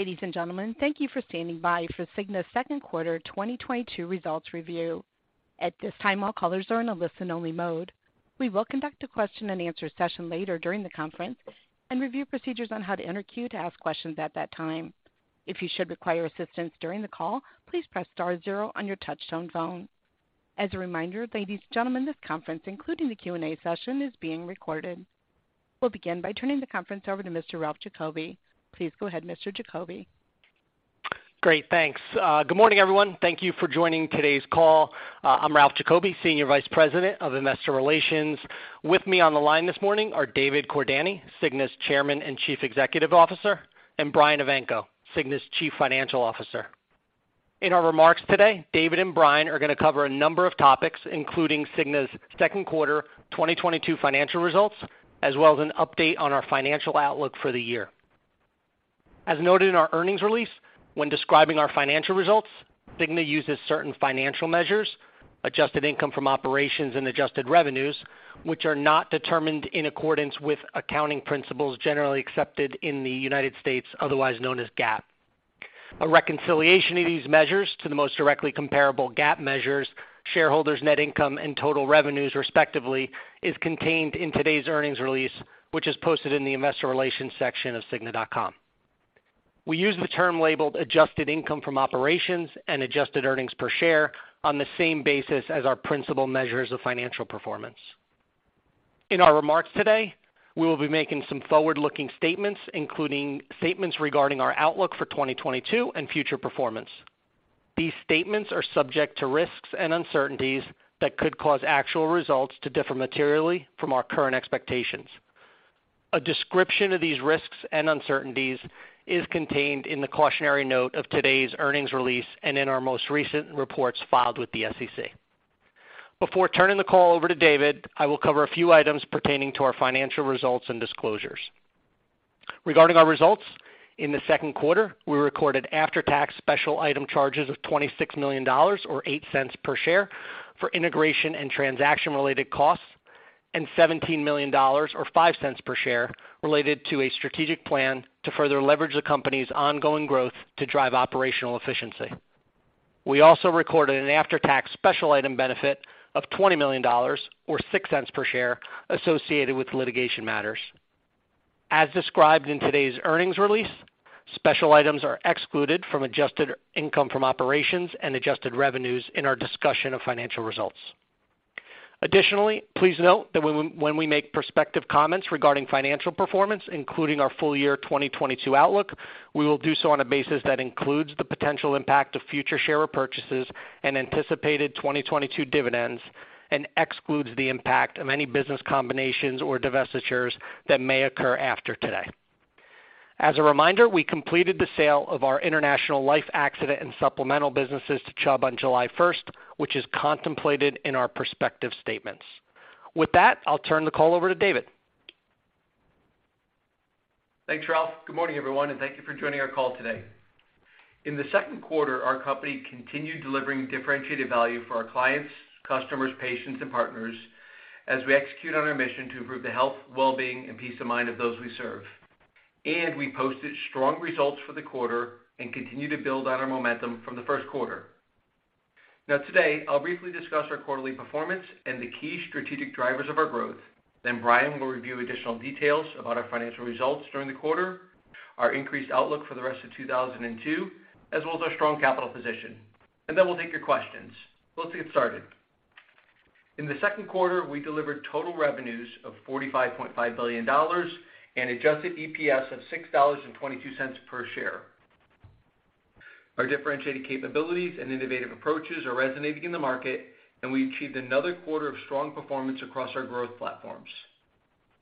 Ladies and gentlemen, thank you for standing by for Cigna's Second Quarter 2022 Results Review. At this time, all callers are in a listen-only mode. We will conduct a question-and-answer session later during the conference and review procedures on how to enter queue to ask questions at that time. If you should require assistance during the call, please press star zero on your touchtone phone. As a reminder, ladies and gentlemen, this conference, including the Q&A session, is being recorded. We'll begin by turning the conference over to Mr. Ralph Giacobbe. Please go ahead, Mr. Giacobbe. Great. Thanks. Good morning, everyone. Thank you for joining today's call. I'm Ralph Giacobbe, Senior Vice President of Investor Relations. With me on the line this morning are David Cordani, Cigna's Chairman and Chief Executive Officer, and Brian Evanko, Cigna's Chief Financial Officer. In our remarks today, David and Brian are going to cover a number of topics, including Cigna's second quarter 2022 financial results, as well as an update on our financial outlook for the year. As noted in our earnings release, when describing our financial results, Cigna uses certain financial measures, adjusted income from operations and adjusted revenues, which are not determined in accordance with accounting principles generally accepted in the United States, otherwise known as GAAP. A reconciliation of these measures to the most directly comparable GAAP measures, shareholders' net income and total revenues, respectively, is contained in today's earnings release, which is posted in the investor relations section of cigna.com. We use the term labeled "adjusted income from operations" and "adjusted earnings per share" on the same basis as our principal measures of financial performance. In our remarks today, we will be making some forward-looking statements, including statements regarding our outlook for 2022 and future performance. These statements are subject to risks and uncertainties that could cause actual results to differ materially from our current expectations. A description of these risks and uncertainties is contained in the cautionary note of today's earnings release and in our most recent reports filed with the SEC. Before turning the call over to David, I will cover a few items pertaining to our financial results and disclosures. Regarding our results, in the second quarter, we recorded after-tax special item charges of $26 million, or $0.08 per share, for integration and transaction-related costs, and $17 million, or $0.05 per share, related to a strategic plan to further leverage the company's ongoing growth to drive operational efficiency. We also recorded an after-tax special item benefit of $20 million, or $0.06 per share, associated with litigation matters. As described in today's earnings release, special items are excluded from adjusted income from operations and adjusted revenues in our discussion of financial results. Additionally, please note that when we make prospective comments regarding financial performance, including our full year 2022 outlook, we will do so on a basis that includes the potential impact of future share repurchases and anticipated 2022 dividends and excludes the impact of any business combinations or divestitures that may occur after today. As a reminder, we completed the sale of our international life accident and supplemental businesses to Chubb on 1July 2022, which is contemplated in our prospective statements. With that, I'll turn the call over to David. Thanks, Ralph. Good morning, everyone, and thank you for joining our call today. In the second quarter, our company continued delivering differentiated value for our clients, customers, patients, and partners as we execute on our mission to improve the health, well-being, and peace of mind of those we serve. We posted strong results for the quarter and continue to build on our momentum from the first quarter. Now today, I'll briefly discuss our quarterly performance and the key strategic drivers of our growth. Then Brian will review additional details about our financial results during the quarter, our increased outlook for the rest of 2022, as well as our strong capital position. Then we'll take your questions. Let's get started. In the second quarter, we delivered total revenues of $45.5 billion and adjusted EPS of $6.22 per share. Our differentiated capabilities and innovative approaches are resonating in the market, and we achieved another quarter of strong performance across our growth platforms.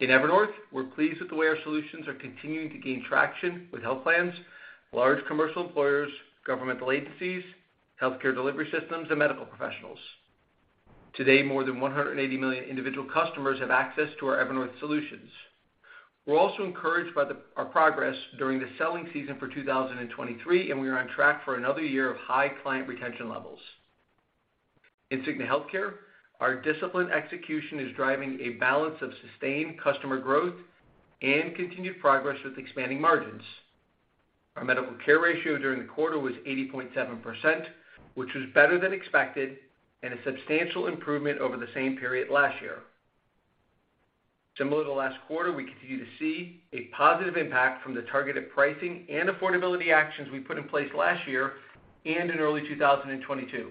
In Evernorth, we're pleased with the way our solutions are continuing to gain traction with health plans, large commercial employers, governmental agencies, healthcare delivery systems, and medical professionals. Today, more than 180 million individual customers have access to our Evernorth solutions. We're also encouraged by our progress during the selling season for 2023, and we are on track for another year of high client retention levels. In Cigna Healthcare, our disciplined execution is driving a balance of sustained customer growth and continued progress with expanding margins. Our medical care ratio during the quarter was 80.7%, which was better than expected and a substantial improvement over the same period last year. Similar to last quarter, we continue to see a positive impact from the targeted pricing and affordability actions we put in place last year and in early 2022.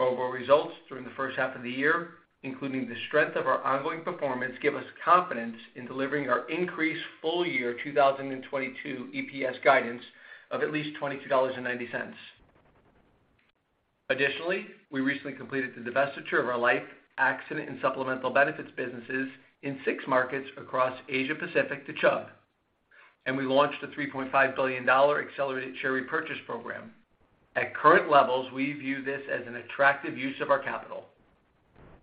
Overall results during the first half of the year, including the strength of our ongoing performance, give us confidence in delivering our increased full year 2022 EPS guidance of at least $22.90. Additionally, we recently completed the divestiture of our life, accident, and supplemental benefits businesses in six markets across Asia-Pacific to Chubb, and we launched a $3.5 billion accelerated share repurchase program. At current levels, we view this as an attractive use of our capital.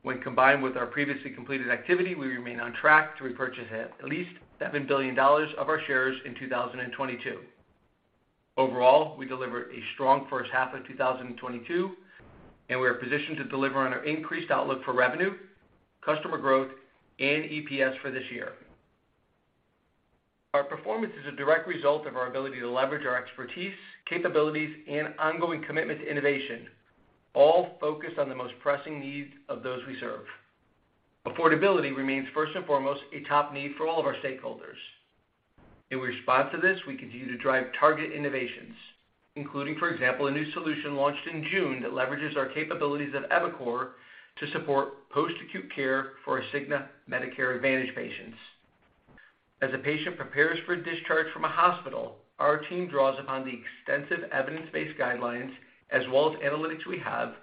When combined with our previously completed activity, we remain on track to repurchase at least $7 billion of our shares in 2022. Overall, we delivered a strong first half of 2022, and we are positioned to deliver on our increased outlook for revenue, customer growth, and EPS for this year. Our performance is a direct result of our ability to leverage our expertise, capabilities, and ongoing commitment to innovation, all focused on the most pressing needs of those we serve. Affordability remains first and foremost a top need for all of our stakeholders. In response to this, we continue to drive target innovations, including, for example, a new solution launched in June that leverages our capabilities at eviCore to support post-acute care for Cigna Medicare Advantage patients. As a patient prepares for discharge from a hospital, our team draws upon the extensive evidence-based guidelines as well as analytics we have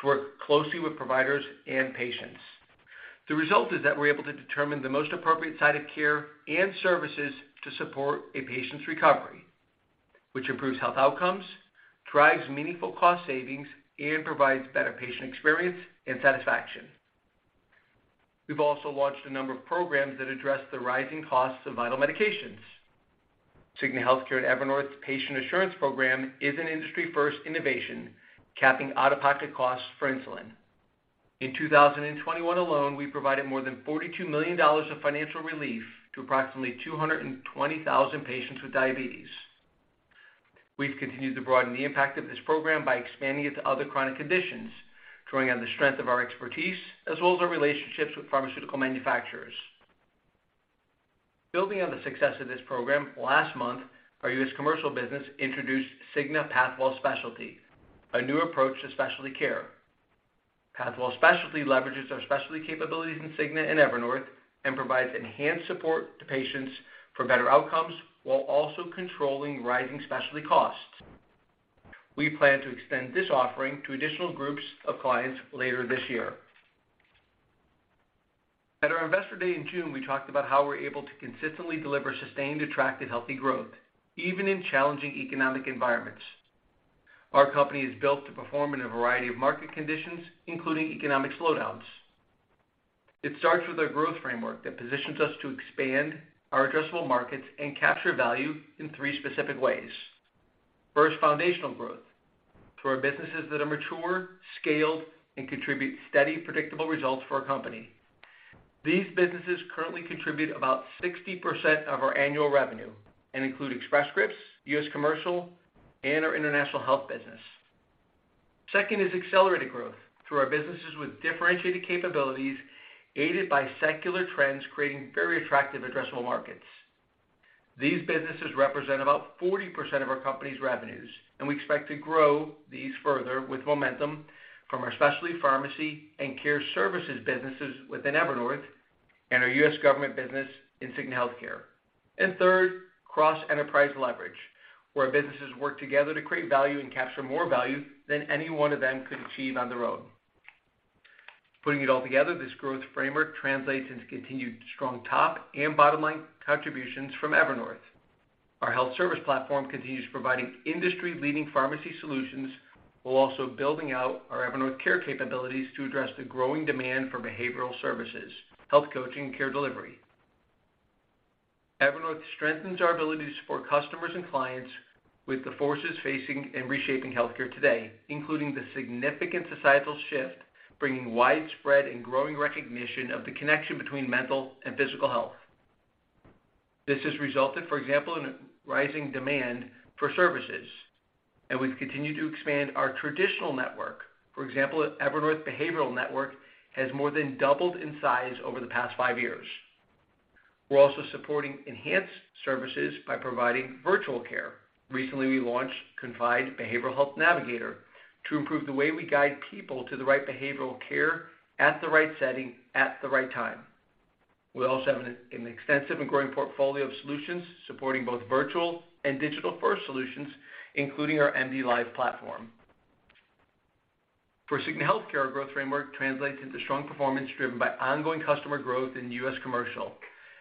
to work closely with providers and patients. The result is that we're able to determine the most appropriate site of care and services to support a patient's recovery, which improves health outcomes, drives meaningful cost savings, and provides better patient experience and satisfaction. We've also launched a number of programs that address the rising costs of vital medications. Cigna Healthcare and Evernorth's Patient Assurance Program is an industry-first innovation, capping out-of-pocket costs for insulin. In 2021 alone, we provided more than $42 million of financial relief to approximately 220,000 patients with diabetes. We've continued to broaden the impact of this program by expanding it to other chronic conditions, drawing on the strength of our expertise as well as our relationships with pharmaceutical manufacturers. Building on the success of this program, last month, our US Commercial business introduced Cigna Pathwell Specialty, a new approach to specialty care. Pathwell Specialty leverages our specialty capabilities in Cigna and Evernorth and provides enhanced support to patients for better outcomes while also controlling rising specialty costs. We plan to extend this offering to additional groups of clients later this year. At our Investor Day in June, we talked about how we're able to consistently deliver sustained, attractive, healthy growth, even in challenging economic environments. Our company is built to perform in a variety of market conditions, including economic slowdowns. It starts with a growth framework that positions us to expand our addressable markets and capture value in three specific ways. First, foundational growth through our businesses that are mature, scaled, and contribute steady, predictable results for our company. These businesses currently contribute about 60% of our annual revenue and include Express Scripts, US Commercial, and our International Health business. Second is accelerated growth through our businesses with differentiated capabilities aided by secular trends, creating very attractive addressable markets. These businesses represent about 40% of our company's revenues, and we expect to grow these further with momentum from our specialty pharmacy and care services businesses within Evernorth and our US government business in Cigna Healthcare. Third, cross-enterprise leverage, where businesses work together to create value and capture more value than any one of them could achieve on their own. Putting it all together, this growth framework translates into continued strong top and bottom line contributions from Evernorth. Our health service platform continues providing industry-leading pharmacy solutions while also building out our Evernorth care capabilities to address the growing demand for behavioral services, health coaching, and care delivery. Evernorth strengthens our ability to support customers and clients with the forces facing and reshaping healthcare today, including the significant societal shift, bringing widespread and growing recognition of the connection between mental and physical health. This has resulted, for example, in a rising demand for services, and we've continued to expand our traditional network. For example, Evernorth Behavioral Network has more than doubled in size over the past five years. We're also supporting enhanced services by providing virtual care. Recently, we launched Confide Behavioral Health Navigator to improve the way we guide people to the right behavioral care at the right setting at the right time. We also have an extensive and growing portfolio of solutions supporting both virtual and digital-first solutions, including our MDLIVE platform. For Cigna Healthcare, our growth framework translates into strong performance driven by ongoing customer growth in US Commercial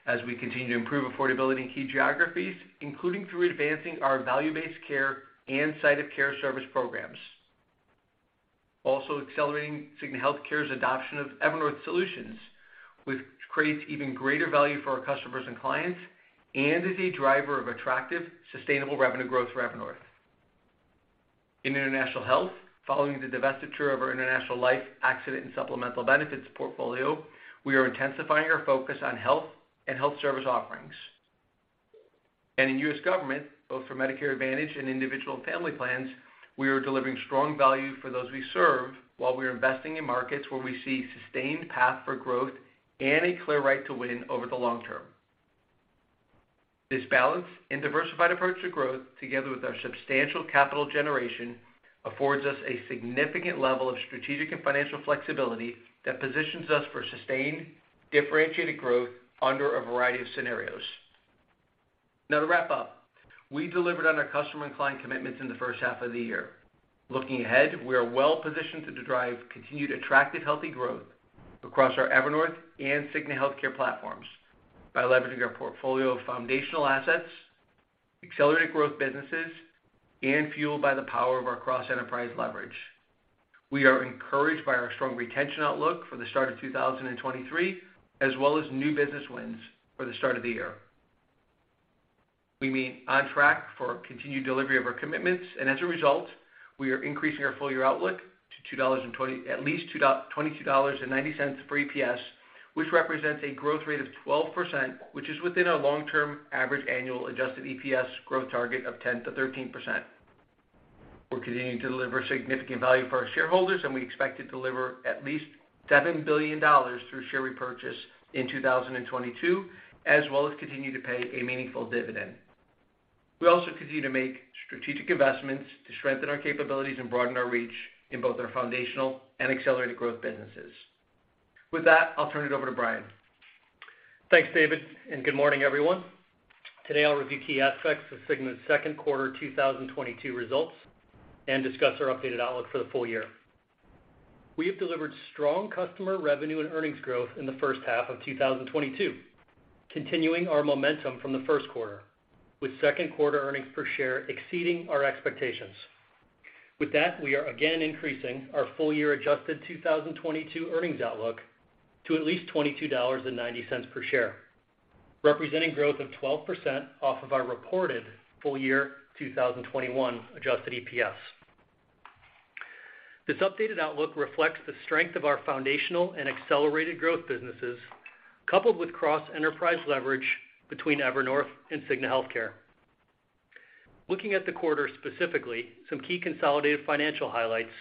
as we continue to improve affordability in key geographies, including through advancing our value-based care and site of care service programs. Also accelerating Cigna Healthcare's adoption of Evernorth solutions, which creates even greater value for our customers and clients and is a driver of attractive, sustainable revenue growth for Evernorth. In International Health, following the divestiture of our International Life Accident and Supplemental Benefits portfolio, we are intensifying our focus on health and health service offerings. In US government, both for Medicare Advantage and individual family plans, we are delivering strong value for those we serve while we are investing in markets where we see sustained path for growth and a clear right to win over the long term. This balanced and diversified approach to growth, together with our substantial capital generation, affords us a significant level of strategic and financial flexibility that positions us for sustained, differentiated growth under a variety of scenarios. Now, to wrap up, we delivered on our customer and client commitments in the first half of the year. Looking ahead, we are well-positioned to derive continued attractive, healthy growth across our Evernorth and Cigna Healthcare platforms by leveraging our portfolio of foundational assets, accelerated growth businesses, and fueled by the power of our cross-enterprise leverage. We are encouraged by our strong retention outlook for the start of 2023, as well as new business wins for the start of the year. We remain on track for continued delivery of our commitments, and as a result, we are increasing our full-year outlook to at least $22.90 for EPS, which represents a growth rate of 12%, which is within our long-term average annual adjusted EPS growth target of 10% to 13%. We're continuing to deliver significant value for our shareholders, and we expect to deliver at least $7 billion through share repurchase in 2022, as well as continue to pay a meaningful dividend. We also continue to make strategic investments to strengthen our capabilities and broaden our reach in both our foundational and accelerated growth businesses. With that, I'll turn it over to Brian. Thanks, David, and good morning, everyone. Today, I'll review key aspects of Cigna's second quarter 2022 results and discuss our updated outlook for the full year. We have delivered strong customer revenue and earnings growth in the first half of 2022, continuing our momentum from the first quarter, with second quarter earnings per share exceeding our expectations. With that, we are again increasing our full-year adjusted 2022 earnings outlook to at least $22.90 per share, representing growth of 12% off of our reported full-year 2021 adjusted EPS. This updated outlook reflects the strength of our foundational and accelerated growth businesses, coupled with cross-enterprise leverage between Evernorth and Cigna Healthcare. Looking at the quarter specifically, some key consolidated financial highlights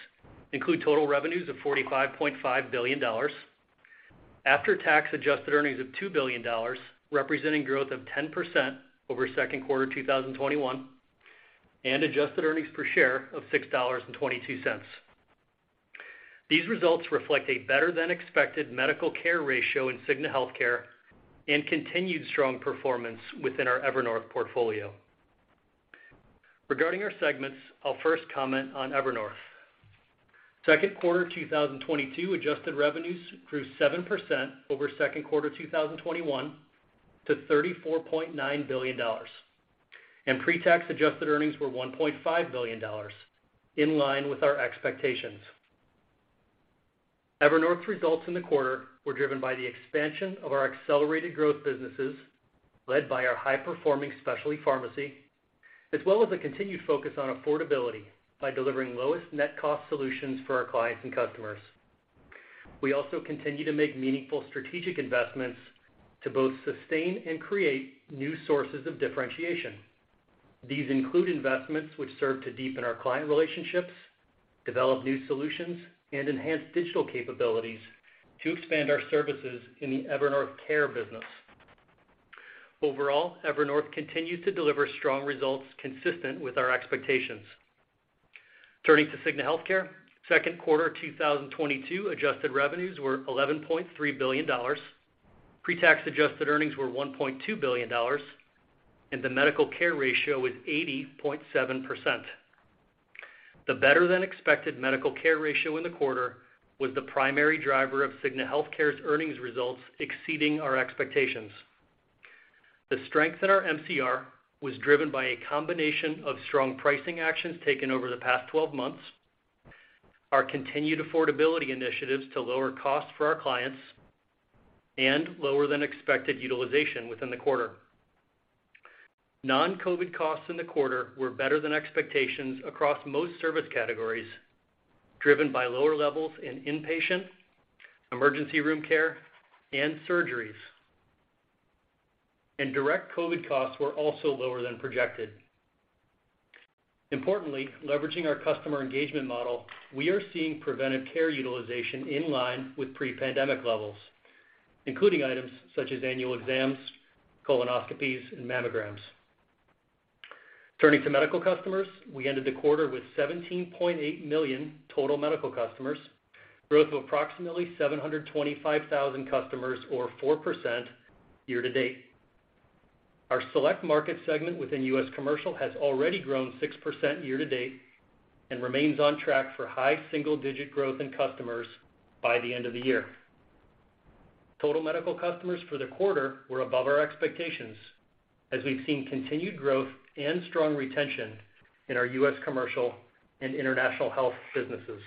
include total revenues of $45.5 billion, after-tax adjusted earnings of $2 billion, representing growth of 10% over second quarter 2021, and adjusted earnings per share of $6.22. These results reflect a better-than-expected medical care ratio in Cigna Healthcare and continued strong performance within our Evernorth portfolio. Regarding our segments, I'll first comment on Evernorth. Second quarter 2022 adjusted revenues grew 7% over second quarter 2021 to $34.9 billion, and pre-tax adjusted earnings were $1.5 billion, in line with our expectations. Evernorth results in the quarter were driven by the expansion of our accelerated growth businesses, led by our high-performing specialty pharmacy, as well as a continued focus on affordability by delivering lowest net cost solutions for our clients and customers. We also continue to make meaningful strategic investments to both sustain and create new sources of differentiation. These include investments which serve to deepen our client relationships, develop new solutions, and enhance digital capabilities to expand our services in the Evernorth Care business. Overall, Evernorth continues to deliver strong results consistent with our expectations. Turning to Cigna Healthcare, second quarter 2022 adjusted revenues were $11.3 billion. Pre-tax adjusted earnings were $1.2 billion, and the medical care ratio was 80.7%. The better-than-expected medical care ratio in the quarter was the primary driver of Cigna Healthcare's earnings results exceeding our expectations. The strength in our MCR was driven by a combination of strong pricing actions taken over the past 12 months, our continued affordability initiatives to lower costs for our clients, and lower-than-expected utilization within the quarter. Non-COVID costs in the quarter were better than expectations across most service categories, driven by lower levels in inpatient, emergency room care, and surgeries. Direct COVID costs were also lower than projected. Importantly, leveraging our customer engagement model, we are seeing preventive care utilization in line with pre-pandemic levels, including items such as annual exams, colonoscopies, and mammograms. Turning to medical customers, we ended the quarter with 17.8 million total medical customers, growth of approximately 725,000 customers or 4% year to date. Our select market segment within US Commercial has already grown 6% year to date and remains on track for high single-digit growth in customers by the end of the year. Total medical customers for the quarter were above our expectations, as we've seen continued growth and strong retention in our US Commercial and International Health businesses.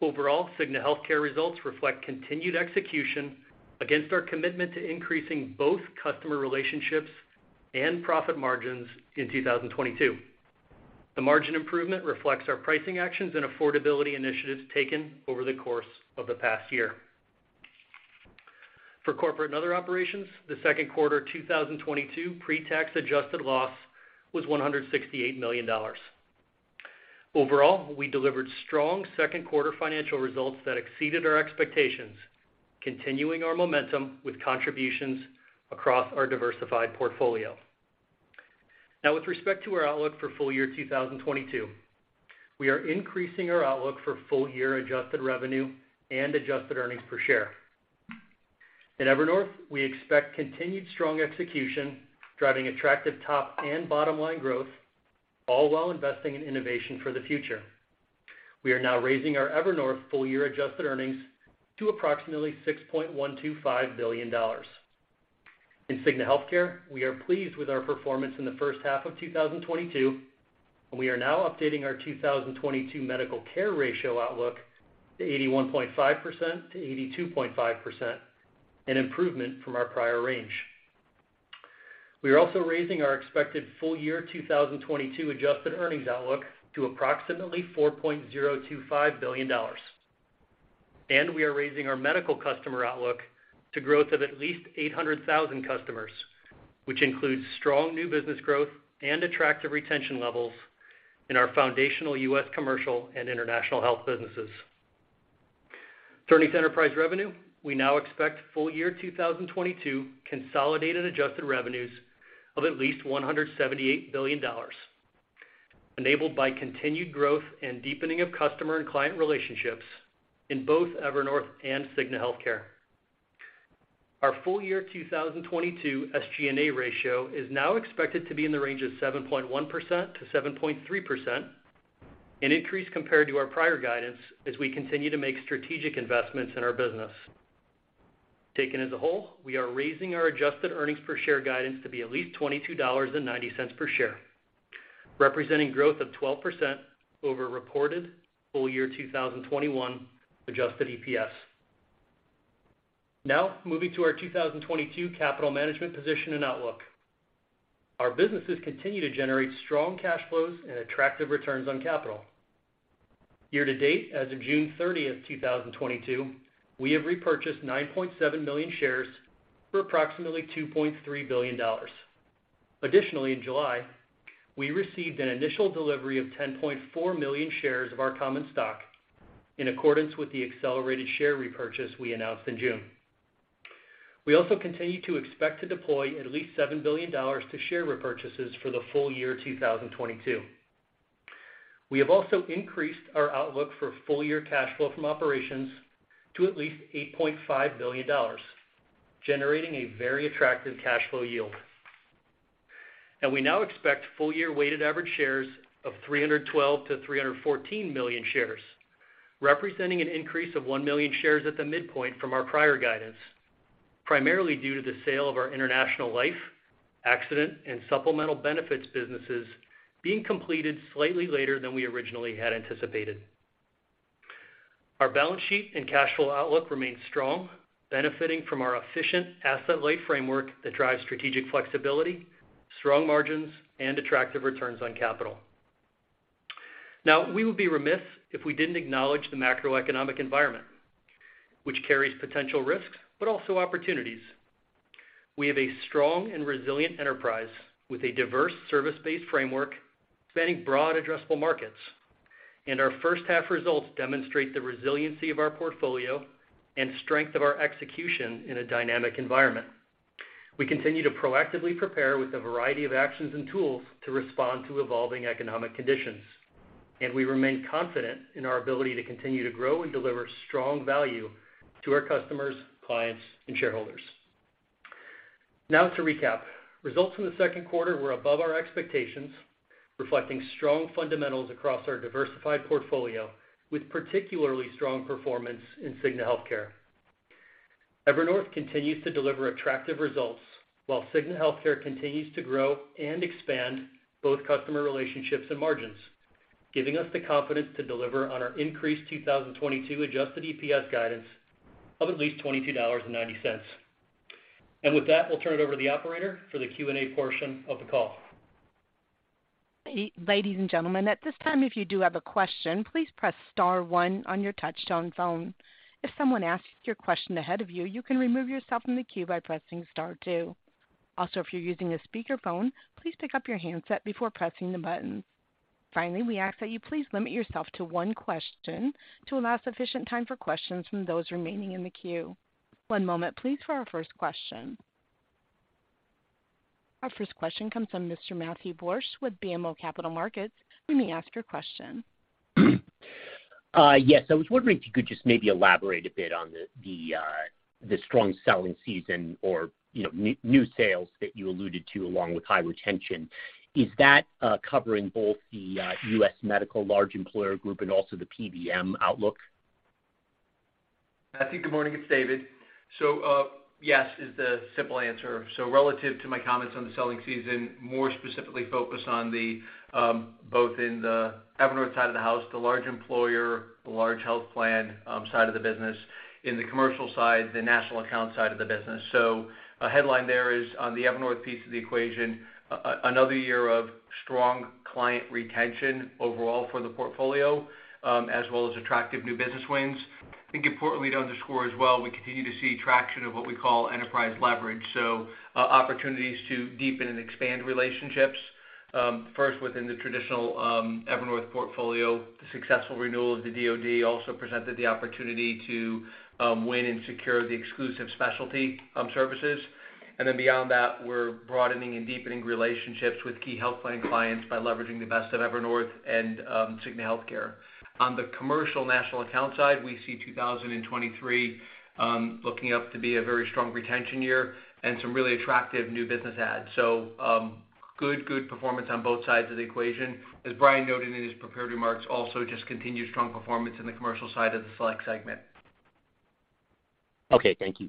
Overall, Cigna Healthcare results reflect continued execution against our commitment to increasing both customer relationships and profit margins in 2022. The margin improvement reflects our pricing actions and affordability initiatives taken over the course of the past year. For corporate and other operations, the second quarter 2022 pre-tax adjusted loss was $168 million. Overall, we delivered strong second quarter financial results that exceeded our expectations, continuing our momentum with contributions across our diversified portfolio. Now, with respect to our outlook for full year 2022, we are increasing our outlook for full year adjusted revenue and adjusted earnings per share. In Evernorth, we expect continued strong execution, driving attractive top and bottom line growth, all while investing in innovation for the future. We are now raising our Evernorth full year adjusted earnings to approximately $6.125 billion. In Cigna Healthcare, we are pleased with our performance in the first half of 2022, and we are now updating our 2022 medical care ratio outlook to 81.5% to 82.5%, an improvement from our prior range. We are also raising our expected full year 2022 adjusted earnings outlook to approximately $4.025 billion. We are raising our medical customer outlook to growth of at least 800,000 customers, which includes strong new business growth and attractive retention levels in our foundational US Commercial and international health businesses. Turning to enterprise revenue, we now expect full year 2022 consolidated adjusted revenues of at least $178 billion, enabled by continued growth and deepening of customer and client relationships in both Evernorth and Cigna Healthcare. Our full year 2022 SG&A ratio is now expected to be in the range of 7.1% to 7.3%, an increase compared to our prior guidance as we continue to make strategic investments in our business. Taken as a whole, we are raising our adjusted earnings per share guidance to be at least $22.90 per share, representing growth of 12% over reported full year 2021 adjusted EPS. Now moving to our 2022 capital management position and outlook. Our businesses continue to generate strong cash flows and attractive returns on capital. Year to date, as of 30 June 2022, we have repurchased 9.7 million shares for approximately $2.3 billion. Additionally, in July, we received an initial delivery of 10.4 million shares of our common stock in accordance with the accelerated share repurchase we announced in June. We also continue to expect to deploy at least $7 billion to share repurchases for the full year 2022. We have also increased our outlook for full-year cash flow from operations to at least $8.5 billion, generating a very attractive cash flow yield. We now expect full-year weighted average shares of 312 to 314 million shares, representing an increase of 1 million shares at the midpoint from our prior guidance, primarily due to the sale of our international life, accident, and supplemental benefits businesses being completed slightly later than we originally had anticipated. Our balance sheet and cash flow outlook remains strong, benefiting from our efficient asset-light framework that drives strategic flexibility, strong margins, and attractive returns on capital. Now, we would be remiss if we didn't acknowledge the macroeconomic environment, which carries potential risks but also opportunities. We have a strong and resilient enterprise with a diverse service-based framework spanning broad addressable markets, and our first half results demonstrate the resiliency of our portfolio and strength of our execution in a dynamic environment. We continue to proactively prepare with a variety of actions and tools to respond to evolving economic conditions, and we remain confident in our ability to continue to grow and deliver strong value to our customers, clients, and shareholders. Now to recap, results from the second quarter were above our expectations, reflecting strong fundamentals across our diversified portfolio, with particularly strong performance in Cigna Healthcare. Evernorth continues to deliver attractive results while Cigna Healthcare continues to grow and expand both customer relationships and margins, giving us the confidence to deliver on our increased 2022 adjusted EPS guidance of at least $22.90. With that, we'll turn it over to the operator for the Q&A portion of the call. Ladies and gentlemen, at this time, if you do have a question, please press star one on your touchtone phone. If someone asks your question ahead of you can remove yourself from the queue by pressing star two. Also, if you're using a speakerphone, please pick up your handset before pressing the buttons. Finally, we ask that you please limit yourself to one question to allow sufficient time for questions from those remaining in the queue. One moment, please, for our first question. Our first question comes from Mr. Matthew Borsch with BMO Capital Markets. You may ask your question. Yes. I was wondering if you could just maybe elaborate a bit on the strong selling season or, you know, new sales that you alluded to along with high retention. Is that covering both the US medical large employer group and also the PBM outlook? Matthew, good morning. It's David. Yes is the simple answer. Relative to my comments on the selling season, more specifically focused on both in the Evernorth side of the house, the large employer, the large health plan side of the business, in the commercial side, the national account side of the business. A headline there is on the Evernorth piece of the equation, another year of strong client retention overall for the portfolio, as well as attractive new business wins. I think importantly to underscore as well, we continue to see traction of what we call enterprise leverage, so opportunities to deepen and expand relationships, first within the traditional Evernorth portfolio. The successful renewal of the DoD also presented the opportunity to win and secure the exclusive specialty services. Beyond that, we're broadening and deepening relationships with key health plan clients by leveraging the best of Evernorth and Cigna Healthcare. On the commercial national account side, we see 2023 looking to be a very strong retention year and some really attractive new business adds. Good, good performance on both sides of the equation. As Brian noted in his prepared remarks, also just continued strong performance in the commercial side of the Select segment. Okay. Thank you.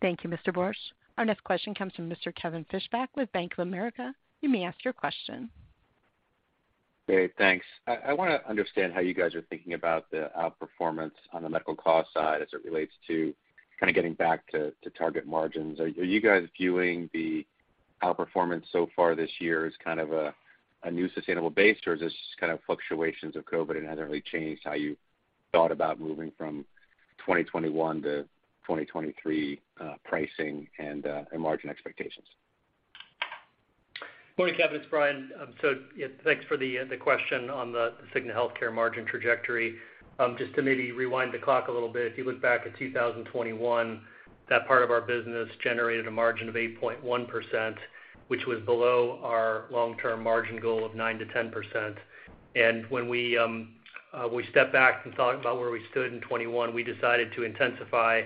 Thank you, Mr. Borsch. Our next question comes from Mr. Kevin Fischbeck with Bank of America. You may ask your question. Hey, thanks. I want to understand how you guys are thinking about the outperformance on the medical cost side as it relates to kind of getting back to target margins. Are you guys viewing the outperformance so far this year as kind of a new sustainable base, or is this kind of fluctuations of COVID, and it hasn't really changed how you thought about moving from 2021 to 2023, pricing and margin expectations? Morning, Kevin, it's Brian. So yeah, thanks for the question on the Cigna Healthcare margin trajectory. Just to maybe rewind the clock a little bit, if you look back at 2021, that part of our business generated a margin of 8.1%, which was below our long-term margin goal of 9% to 10%. When we stepped back and thought about where we stood in 2021, we decided to intensify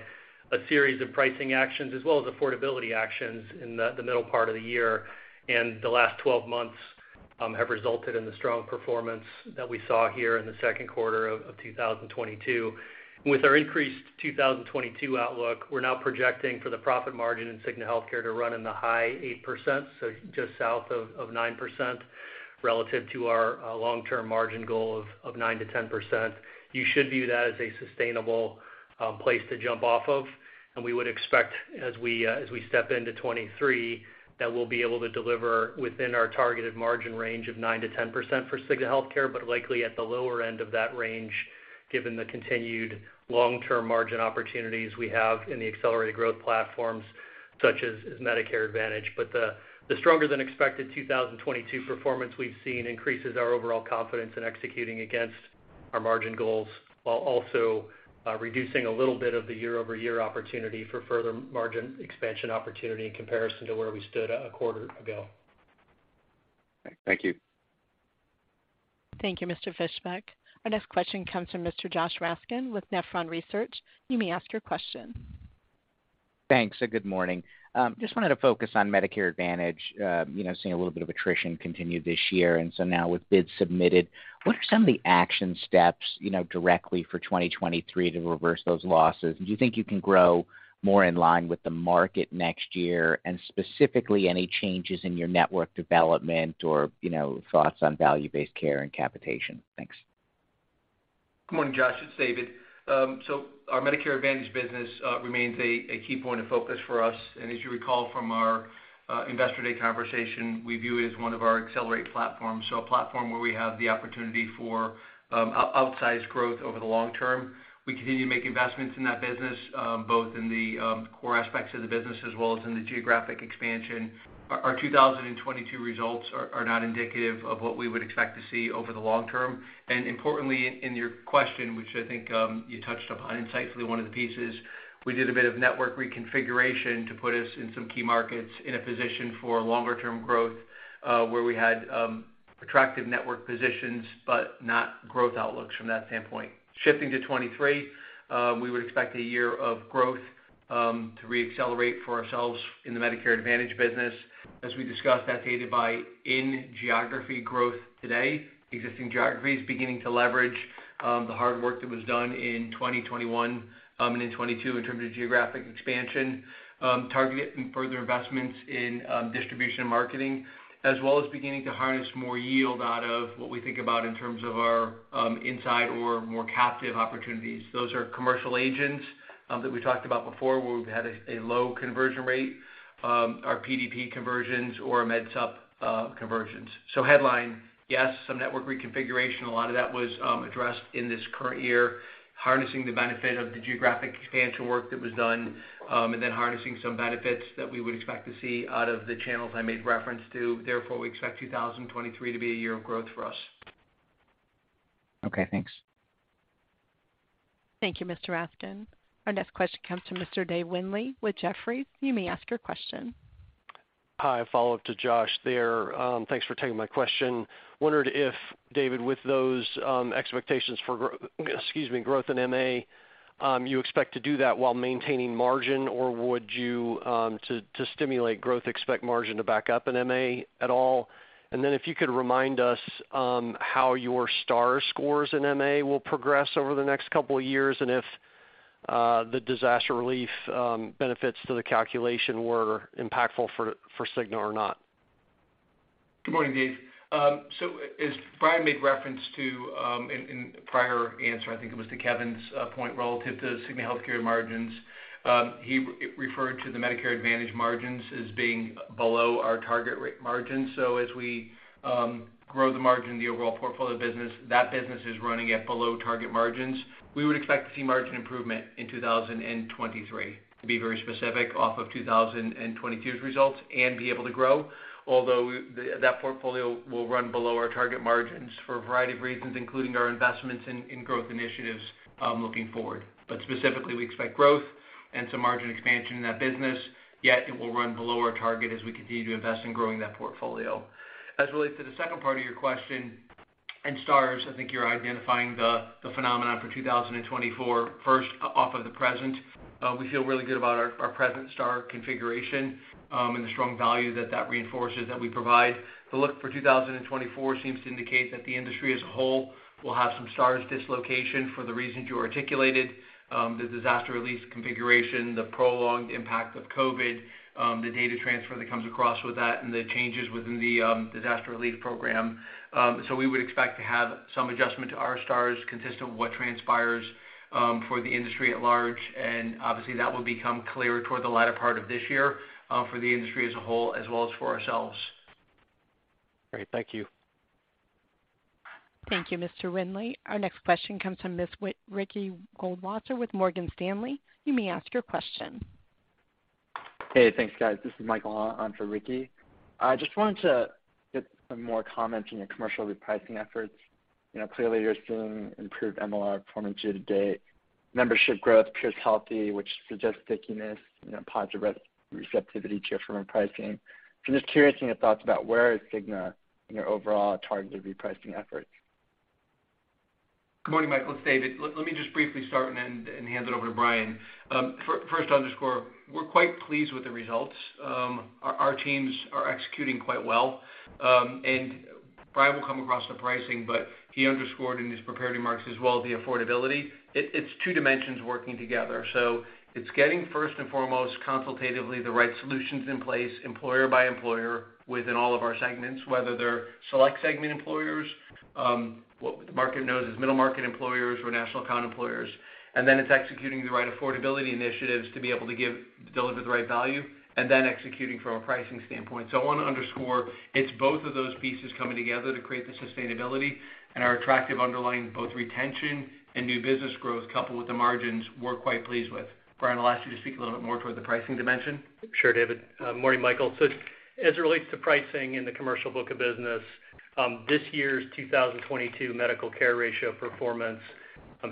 a series of pricing actions as well as affordability actions in the middle part of the year. The last twelve months have resulted in the strong performance that we saw here in the second quarter of 2022. With our increased 2022 outlook, we're now projecting for the profit margin in Cigna Healthcare to run in the high 8%, so just south of 9% relative to our long-term margin goal of 9% to 10%. You should view that as a sustainable place to jump off of, and we would expect as we step into 2023, that we'll be able to deliver within our targeted margin range of 9% to 10% for Cigna Healthcare, but likely at the lower end of that range given the continued long-term margin opportunities we have in the accelerated growth platforms such as Medicare Advantage. The stronger than expected 2022 performance we've seen increases our overall confidence in executing against our margin goals while also reducing a little bit of the year-over-year opportunity for further margin expansion opportunity in comparison to where we stood a quarter ago. Thank you. Thank you, Mr. Fischbeck. Our next question comes from Mr. Josh Raskin with Nephron Research. You may ask your question. Thanks, good morning. Just wanted to focus on Medicare Advantage. You know, seeing a little bit of attrition continue this year, and so now with bids submitted, what are some of the action steps, you know, directly for 2023 to reverse those losses? Do you think you can grow more in line with the market next year? Specifically, any changes in your network development or, you know, thoughts on value-based care and capitation? Thanks. Good morning, Josh, it's David. Our Medicare Advantage business remains a key point of focus for us. As you recall from our Investor Day conversation, we view it as one of our accelerated platforms. A platform where we have the opportunity for outsized growth over the long term. We continue to make investments in that business both in the core aspects of the business as well as in the geographic expansion. Our 2022 results are not indicative of what we would expect to see over the long term. Importantly in your question, which I think you touched upon insightfully one of the pieces, we did a bit of network reconfiguration to put us in some key markets in a position for longer term growth, where we had attractive network positions, but not growth outlooks from that standpoint. Shifting to 2023, we would expect a year of growth to re-accelerate for ourselves in the Medicare Advantage business. As we discussed, that's aided by in-geography growth today, existing geographies beginning to leverage the hard work that was done in 2021 and in 2022 in terms of geographic expansion. Targeting further investments in distribution and marketing, as well as beginning to harness more yield out of what we think about in terms of our inside or more captive opportunities. Those are commercial agents that we talked about before where we've had a low conversion rate, our PDP conversions or our Medicare Supplement conversions. Headline, yes, some network reconfiguration. A lot of that was addressed in this current year, harnessing the benefit of the geographic expansion work that was done, and then harnessing some benefits that we would expect to see out of the channels I made reference to. Therefore, we expect 2023 to be a year of growth for us. Okay, thanks. Thank you, Mr. Raskin. Our next question comes from Mr. Dave Windley with Jefferies. You may ask your question. Hi, a follow-up to Josh there. Thanks for taking my question. Wondered if, David, with those expectations for growth in MA, you expect to do that while maintaining margin, or would you, to stimulate growth, expect margin to back up in MA at all? Then if you could remind us how your Star scores in MA will progress over the next couple of years, and if the disaster relief benefits to the calculation were impactful for Cigna or not. Good morning, Dave. As Brian made reference to, in prior answer, I think it was to Kevin's point relative to Cigna Healthcare margins, he referred to the Medicare Advantage margins as being below our target range margin. As we grow the margin in the overall portfolio business, that business is running at below target margins. We would expect to see margin improvement in 2023, to be very specific, off of 2022's results and be able to grow, although that portfolio will run below our target margins for a variety of reasons, including our investments in growth initiatives, looking forward. Specifically, we expect growth and some margin expansion in that business, yet it will run below our target as we continue to invest in growing that portfolio. As it relates to the second part of your question and stars, I think you're identifying the phenomenon for 2024. First off, as of the present, we feel really good about our present star configuration, and the strong value that that reinforces that we provide. The outlook for 2024 seems to indicate that the industry as a whole will have some stars dislocation for the reasons you articulated, the disaster release configuration, the prolonged impact of COVID, the data transfer that comes across with that, and the changes within the disaster relief program. We would expect to have some adjustment to our stars consistent with what transpires for the industry at large, and obviously that will become clearer toward the latter part of this year for the industry as a whole, as well as for ourselves. Great. Thank you. Thank you, Mr. Windley. Our next question comes from Ricky Goldwasser with Morgan Stanley. You may ask your question. Hey, thanks, guys. This is Michael on for Ricky. I just wanted to get some more comments on your commercial repricing efforts. You know, clearly you're seeing improved MLR performance year to date. Membership growth appears healthy, which suggests stickiness, you know, positive receptivity to your premium repricing. I'm just curious your thoughts about where is Cigna in your overall targeted repricing efforts. Good morning, Mike. It's David. Let me just briefly start and then hand it over to Brian. First, to underscore, we're quite pleased with the results. Our teams are executing quite well. Brian will come across the pricing, but he underscored in his prepared remarks as well the affordability. It's two dimensions working together. It's getting first and foremost consultatively the right solutions in place, employer by employer, within all of our segments, whether they're select segment employers, what the market knows as middle market employers or national account employers. It's executing the right affordability initiatives to be able to deliver the right value, and then executing from a pricing standpoint. I want to underscore it's both of those pieces coming together to create the sustainability, and our attractive underlying both retention and new business growth coupled with the margins we're quite pleased with. Brian, I'll ask you to speak a little bit more toward the pricing dimension. Sure, David. Morning, Michael. As it relates to pricing in the commercial book of business, this year's 2022 medical care ratio performance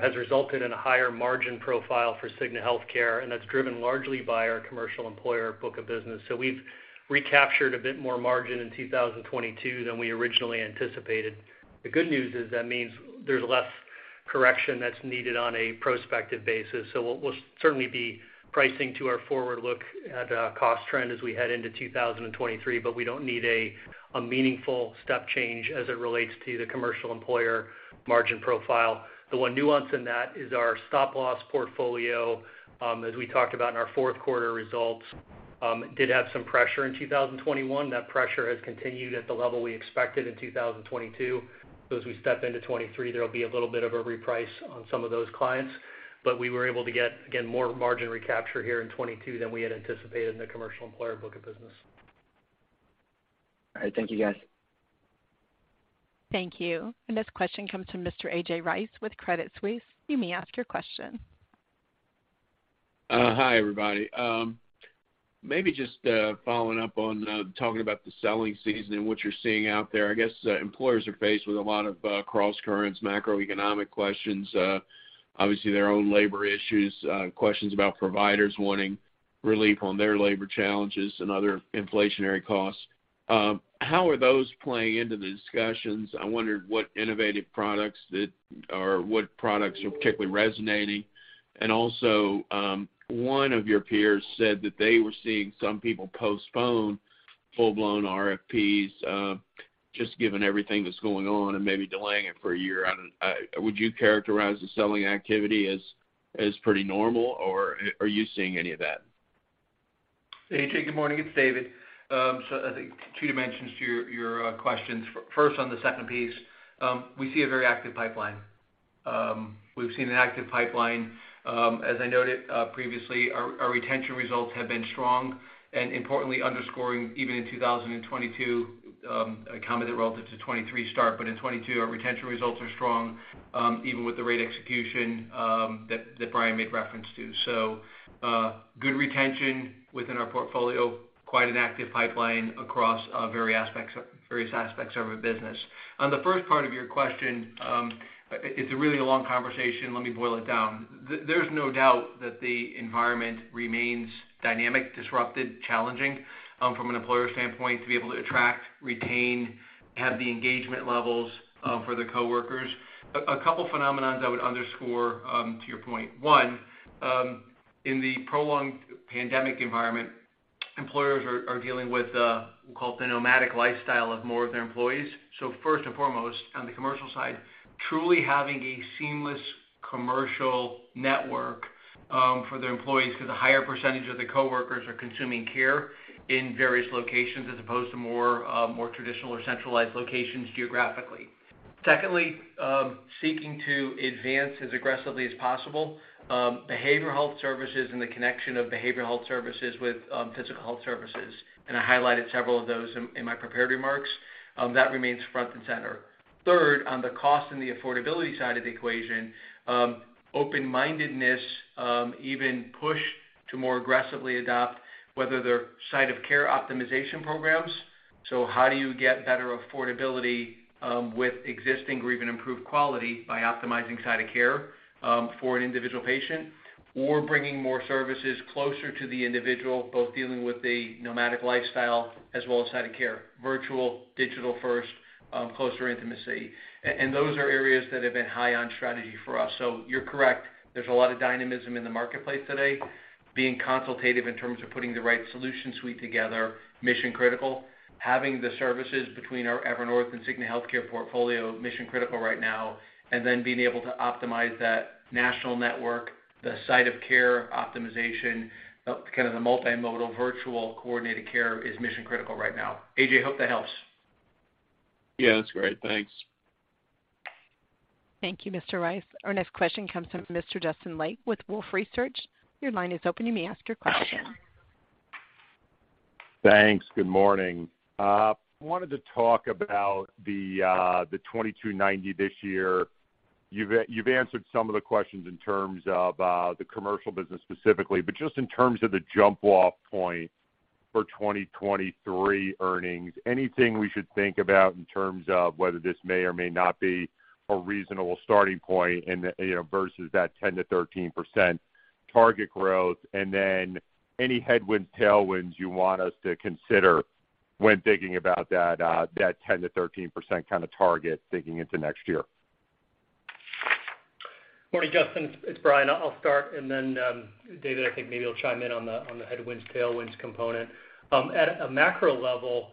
has resulted in a higher margin profile for Cigna Healthcare, and that's driven largely by our commercial employer book of business. We've recaptured a bit more margin in 2022 than we originally anticipated. The good news is that means there's less correction that's needed on a prospective basis. We'll certainly be pricing to our forward look at our cost trend as we head into 2023, but we don't need a meaningful step change as it relates to the commercial employer margin profile. The one nuance in that is our stop-loss portfolio, as we talked about in our fourth quarter results, did have some pressure in 2021. That pressure has continued at the level we expected in 2022. As we step into 2023, there'll be a little bit of a reprice on some of those clients, but we were able to get, again, more margin recapture here in 2022 than we had anticipated in the commercial employer book of business. All right. Thank you guys. Thank you. This question comes from Mr. A.J. Rice with Credit Suisse. You may ask your question. Hi, everybody. Maybe just following up on talking about the selling season and what you're seeing out there. I guess employers are faced with a lot of crosscurrents, macroeconomic questions, obviously their own labor issues, questions about providers wanting relief on their labor challenges and other inflationary costs. How are those playing into the discussions? I wondered what innovative products that or what products are particularly resonating. Also, one of your peers said that they were seeing some people postpone full-blown RFPs, just given everything that's going on and maybe delaying it for a year. Would you characterize the selling activity as pretty normal, or are you seeing any of that? A.J., good morning, it's David. I think two dimensions to your questions. First, on the second piece, we see a very active pipeline. We've seen an active pipeline. As I noted, previously, our retention results have been strong, and importantly underscoring even in 2022, a comment relative to 2023 start, but in 2022, our retention results are strong, even with the rate execution, that Brian made reference to. Good retention within our portfolio, quite an active pipeline across various aspects of our business. On the first part of your question, it's a really long conversation. Let me boil it down. There's no doubt that the environment remains dynamic, disrupted, challenging, from an employer standpoint to be able to attract, retain, have the engagement levels, for the coworkers. A couple phenomena I would underscore, to your point. One, in the prolonged pandemic environment, employers are dealing with, we call it the nomadic lifestyle of more of their employees. First and foremost, on the commercial side, truly having a seamless commercial network, for their employees cause a higher percentage of the coworkers are consuming care in various locations as opposed to more traditional or centralized locations geographically. Secondly, seeking to advance as aggressively as possible, behavioral health services and the connection of behavioral health services with, physical health services, and I highlighted several of those in my prepared remarks, that remains front and center. Third, on the cost and the affordability side of the equation, open-mindedness, even push to more aggressively adopt whether they're site of care optimization programs. How do you get better affordability, with existing or even improved quality by optimizing site of care, for an individual patient or bringing more services closer to the individual, both dealing with the nomadic lifestyle as well as site of care, virtual, digital first, closer intimacy. Those are areas that have been high on strategy for us. You're correct. There's a lot of dynamism in the marketplace today. Being consultative in terms of putting the right solution suite together, mission critical. Having the services between our Evernorth and Cigna Healthcare portfolio, mission-critical right now. Being able to optimize that national network, the site of care optimization, kind of the multimodal virtual coordinated care is mission critical right now. A.J., hope that helps. Yeah, that's great. Thanks. Thank you, Mr. Rice. Our next question comes from Mr. Justin Lake with Wolfe Research. Your line is open. You may ask your question. Thanks. Good morning. Wanted to talk about the $22.90 this year. You've answered some of the questions in terms of the commercial business specifically, but just in terms of the jump off point for 2023 earnings, anything we should think about in terms of whether this may or may not be a reasonable starting point in the, you know, versus that 10% to 13% target growth? Any headwinds, tailwinds you want us to consider when thinking about that 10% to 13% kind of target thinking into next year? Morning, Justin. It's Brian. I'll start, and then David, I think maybe will chime in on the headwinds, tailwinds component. At a macro level,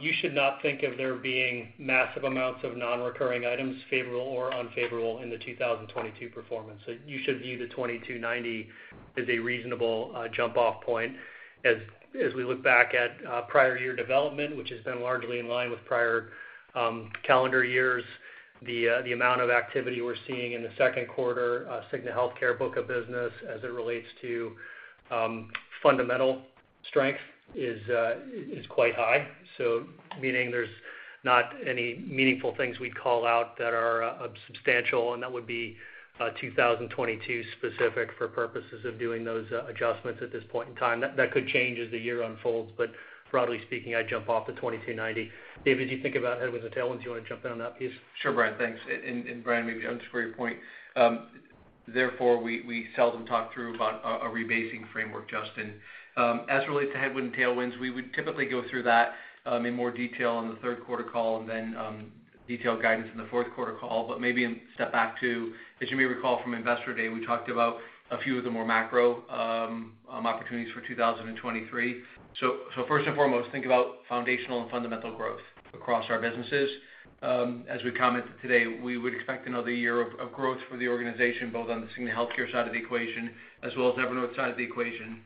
you should not think of there being massive amounts of non-recurring items, favorable or unfavorable, in the 2022 performance. You should view the $22.90 as a reasonable jump off point. As we look back at prior year development, which has been largely in line with prior calendar years, the amount of activity we're seeing in the second quarter, Cigna Healthcare book of business as it relates to fundamental strength is quite high. Meaning there's not any meaningful things we'd call out that are substantial, and that would be 2022 specific for purposes of doing those adjustments at this point in time. That could change as the year unfolds, but broadly speaking, I'd jump off at $22.90. David, as you think about headwinds and tailwinds, you want to jump in on that piece. Sure, Brian, thanks. Brian, maybe I'll just grow your point. Therefore, we seldom talk through about a rebasing framework, Justin. As it relates to headwind and tailwinds, we would typically go through that in more detail on the third quarter call and then detailed guidance in the fourth quarter call. Maybe let's step back to, as you may recall from Investor Day, we talked about a few of the more macro-opportunities for 2023. First and foremost, think about foundational and fundamental growth across our businesses. As we commented today, we would expect another year of growth for the organization, both on the Cigna Healthcare side of the equation as well as Evernorth side of the equation.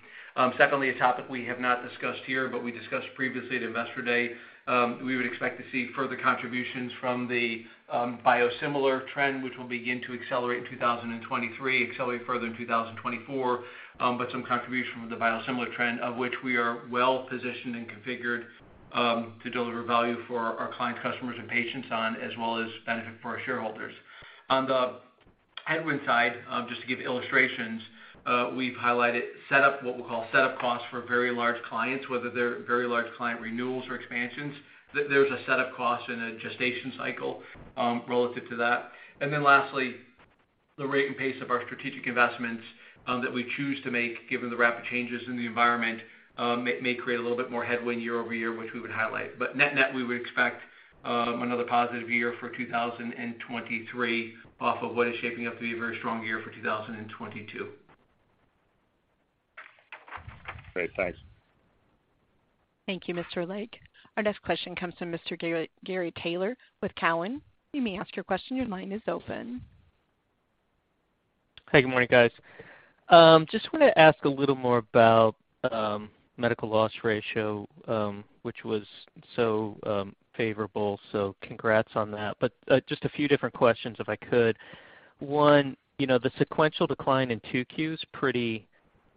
Secondly, a topic we have not discussed here, but we discussed previously at Investor Day, we would expect to see further contributions from the biosimilar trend, which will begin to accelerate in 2023, accelerate further in 2024, but some contribution from the biosimilar trend of which we are well positioned and configured to deliver value for our client customers and patients on, as well as benefit for our shareholders. On the headwind side, just to give illustrations, we've highlighted what we'll call setup costs for very large clients, whether they're very large client renewals or expansions. There's a set-up cost and a gestation cycle relative to that. Then lastly, the rate and pace of our strategic investments that we choose to make given the rapid changes in the environment may create a little bit more headwind year-over-year, which we would highlight. Net-net, we would expect another positive year for 2023 off of what is shaping up to be a very strong year for 2022. Great. Thanks. Thank you, Mr. Lake. Our next question comes from Mr. Gary Taylor with Cowen. You may ask your question. Your line is open. Hey, good morning, guys. Just want to ask a little more about medical loss ratio, which was so favorable, so congrats on that. Just a few different questions, if I could. One, you know, the sequential decline in second quarter is pretty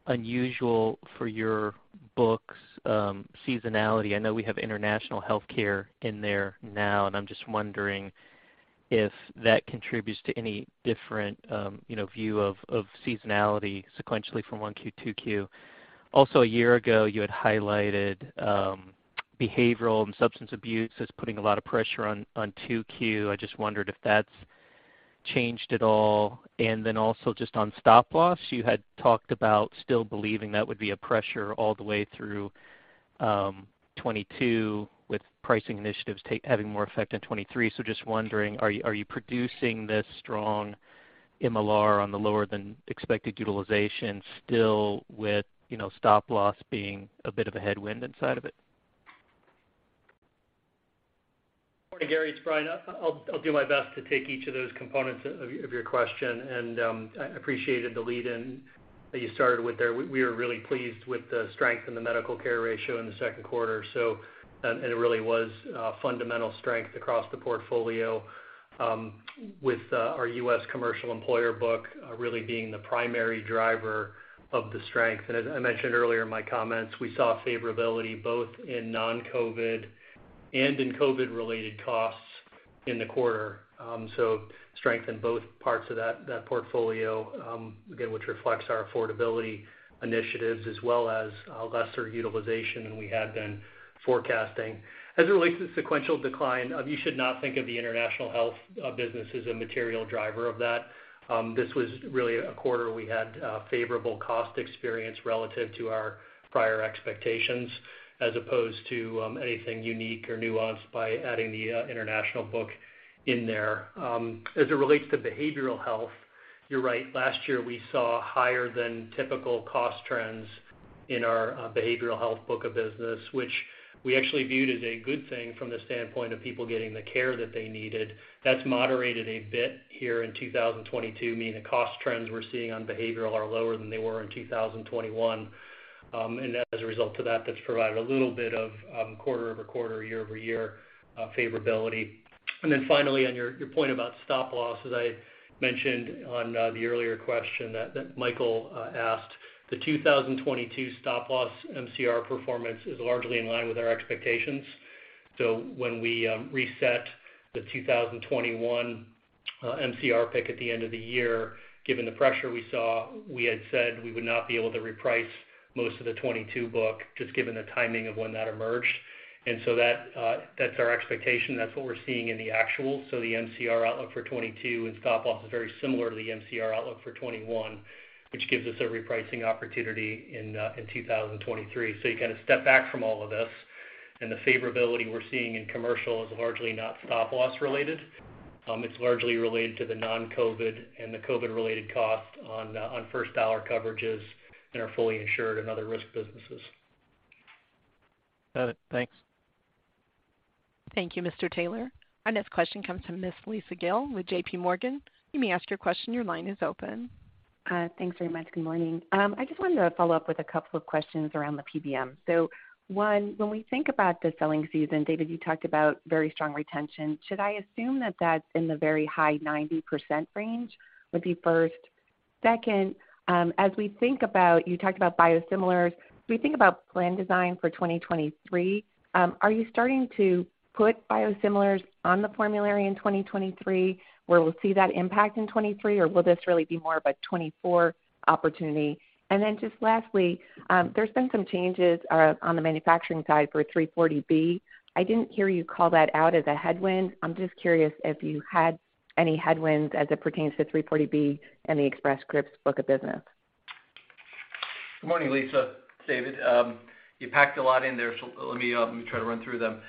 unusual for your books, seasonality. I know we have international healthcare in there now, and I'm just wondering if that contributes to any different, you know, view of seasonality sequentially from first quarter, second quarter. Also, a year ago, you had highlighted behavioral and substance abuse as putting a lot of pressure on second quarter. I just wondered if that's changed at all. Then also just on stop-loss, you had talked about still believing that would be a pressure all the way through 2022 with pricing initiatives having more effect in 2023. Just wondering, are you producing this strong MLR on the lower than expected utilization still with, you know, stop-loss being a bit of a headwind inside of it? Morning, Gary. It's Brian. I'll do my best to take each of those components of your question. I appreciated the lead-in that you started with there. We are really pleased with the strength in the medical care ratio in the second quarter. It really was fundamental strength across the portfolio with our US Commercial employer book really being the primary driver of the strength. As I mentioned earlier in my comments, we saw favorability both in non-COVID and in COVID-related costs. In the quarter. Strength in both parts of that portfolio, again, which reflects our affordability initiatives as well as a lesser utilization than we had been forecasting. As it relates to sequential decline, you should not think of the international health business as a material driver of that. This was really a quarter we had favorable cost experience relative to our prior expectations, as opposed to anything unique or nuanced by adding the international book in there. As it relates to behavioral health, you're right. Last year, we saw higher than typical cost trends in our behavioral health book of business, which we actually viewed as a good thing from the standpoint of people getting the care that they needed. That's moderated a bit here in 2022, meaning the cost trends we're seeing on behavioral are lower than they were in 2021. As a result of that's provided a little bit of quarter-over-quarter, year-over-year favorability. Finally, on your point about stop-loss, as I mentioned on the earlier question that Michael asked, the 2022 stop-loss MCR performance is largely in line with our expectations. When we reset the 2021 MCR pick at the end of the year, given the pressure we saw, we had said we would not be able to reprice most of the 2022 book just given the timing of when that emerged. That's our expectation. That's what we're seeing in the actual. The MCR outlook for 2022 in stop-loss is very similar to the MCR outlook for 2021, which gives us a repricing opportunity in 2023. You kind of step back from all of this, and the favorability we're seeing in commercial is largely not stop-loss related. It's largely related to the non-COVID and the COVID-related costs on first-dollar coverages that are fully insured in other risk businesses. Got it. Thanks. Thank you, Mr. Taylor. Our next question comes from Miss Lisa Gill with JPMorgan. You may ask your question. Your line is open. Thanks very much. Good morning. I just wanted to follow up with a couple of questions around the PBM. One, when we think about the selling season, David, you talked about very strong retention. Should I assume that that's in the very high 90% range? That would be first. Second, as we think about, you talked about biosimilars. As we think about plan design for 2023, are you starting to put biosimilars on the formulary in 2023, where we'll see that impact in 2023, or will this really be more of a 2024 opportunity? Just lastly, there's been some changes on the manufacturing side for 340B. I didn't hear you call that out as a headwind. I'm just curious if you had any headwinds as it pertains to 340B and the Express Scripts book of business. Good morning, Lisa. David, you packed a lot in there, so let me try to run through them.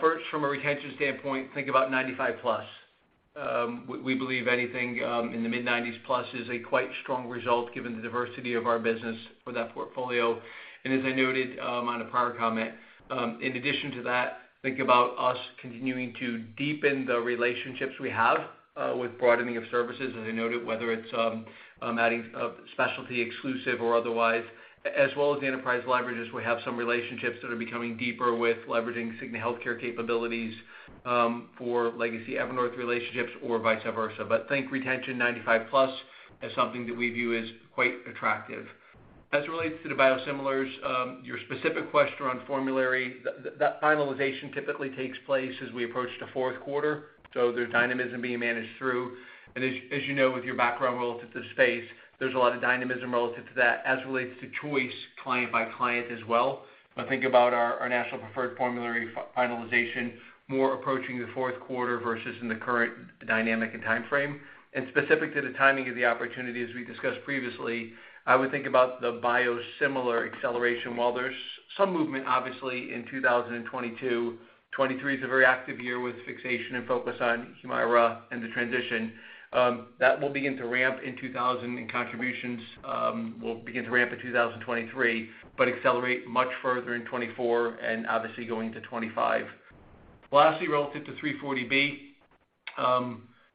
First, from a retention standpoint, think about 95%+. We believe anything in the mid-90%+ is quite a strong result given the diversity of our business for that portfolio. As I noted on a prior comment, in addition to that, think about us continuing to deepen the relationships we have with broadening of services, as I noted, whether it's adding specialty exclusive or otherwise, as well as the enterprise leverages. We have some relationships that are becoming deeper with leveraging Cigna Healthcare capabilities for legacy Evernorth relationships or vice versa. Think retention 95%+ as something that we view as quite attractive. As it relates to the biosimilars, your specific question on formulary, that finalization typically takes place as we approach the fourth quarter, so there's dynamism being managed through. As you know, with your background relative to the space, there's a lot of dynamism relative to that as it relates to choice, client by client as well. Think about our national preferred formulary finalization more approaching the fourth quarter versus in the current dynamic and time frame. Specific to the timing of the opportunity, as we discussed previously, I would think about the biosimilar acceleration. While there's some movement, obviously, in 2022, 2023 is a very active year with fixation and focus on Humira and the transition. That will begin to ramp in 2020, and contributions will begin to ramp in 2023, but accelerate much further in 2024 and obviously going into 2025. Lastly, relative to 340B,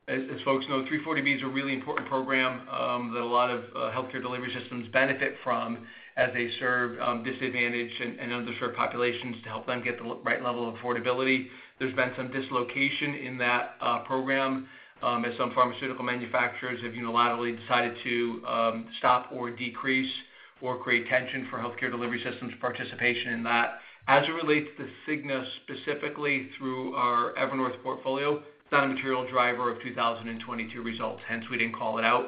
as folks know, 340B is a really important program that a lot of healthcare delivery systems benefit from as they serve disadvantaged and underserved populations to help them get the right level of affordability. There's been some dislocation in that program, as some pharmaceutical manufacturers have unilaterally decided to stop or decrease or create tension for healthcare delivery systems participation in that. As it relates to Cigna specifically through our Evernorth portfolio, it's not a material driver of 2022 results, hence we didn't call it out.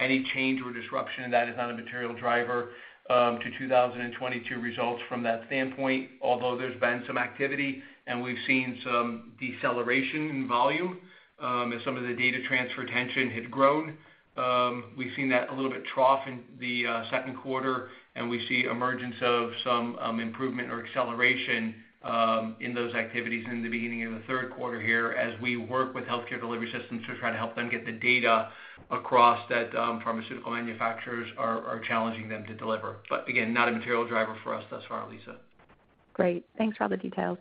Any change or disruption in that is not a material driver to 2022 results from that standpoint, although there's been some activity, and we've seen some deceleration in volume as some of the data transfer tension had grown. We've seen that a little bit trough in the second quarter, and we see emergence of some improvement or acceleration in those activities in the beginning of the third quarter here as we work with healthcare delivery systems to try to help them get the data across that pharmaceutical manufacturers are challenging them to deliver. But again, not a material driver for us thus far, Lisa. Great. Thanks for all the details.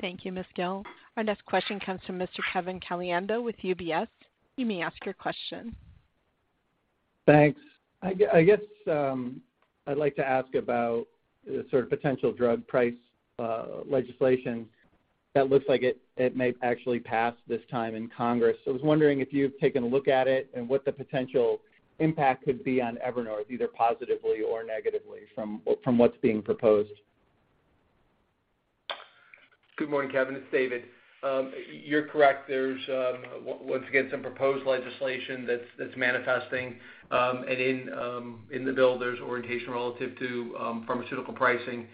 Thank you, Ms. Gill. Our next question comes from Mr. Kevin Caliendo with UBS. You may ask your question. Thanks. I guess I'd like to ask about the sort of potential drug price legislation that looks like it may actually pass this time in Congress. I was wondering if you've taken a look at it and what the potential impact could be on Evernorth, either positively or negatively from what's being proposed. Good morning, Kevin, it's David. You're correct. There's once again some proposed legislation that's manifesting, and in the bill, there's orientation relative to pharmaceutical pricing.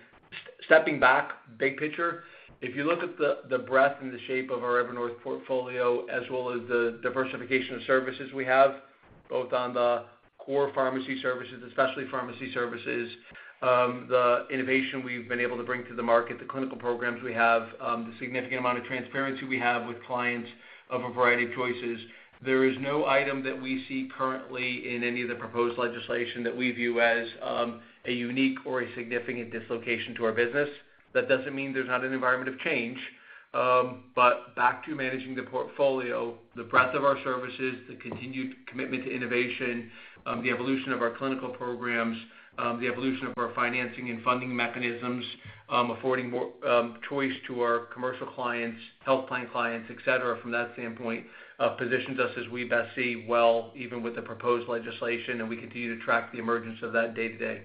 Stepping back, big picture. If you look at the breadth and the shape of our Evernorth portfolio as well as the diversification of services we have, both on the core pharmacy services, especially pharmacy services, the innovation we've been able to bring to the market, the clinical programs we have, the significant amount of transparency we have with clients of a variety of choices, there is no item that we see currently in any of the proposed legislation that we view as a unique or a significant dislocation to our business. That doesn't mean there's not an environment of change. Back to managing the portfolio, the breadth of our services, the continued commitment to innovation, the evolution of our clinical programs, the evolution of our financing and funding mechanisms, affording more choice to our commercial clients, health plan clients, et cetera, from that standpoint, positions us as we best see well even with the proposed legislation, and we continue to track the emergence of that day to day.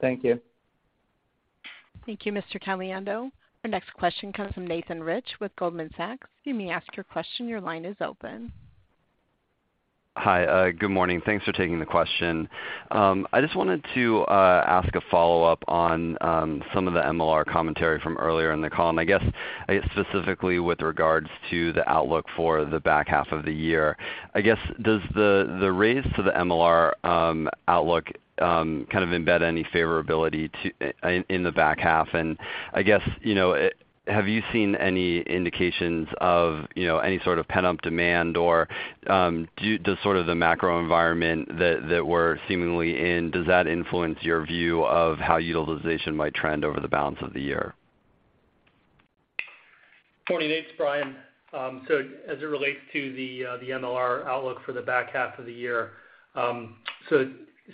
Thank you. Thank you, Mr. Caliendo. Our next question comes from Nathan Rich with Goldman Sachs. You may ask your question. Your line is open. Hi, good morning. Thanks for taking the question. I just wanted to ask a follow-up on some of the MLR commentary from earlier in the call, and I guess specifically with regards to the outlook for the back half of the year. I guess, does the raise to the MLR outlook kind of embed any favorability in the back half? And I guess, you know, have you seen any indications of, you know, any sort of pent-up demand or, does sort of the macro environment that we're seemingly in influence your view of how utilization might trend over the balance of the year? Morning, Nate. It's Brian. As it relates to the MLR outlook for the back half of the year,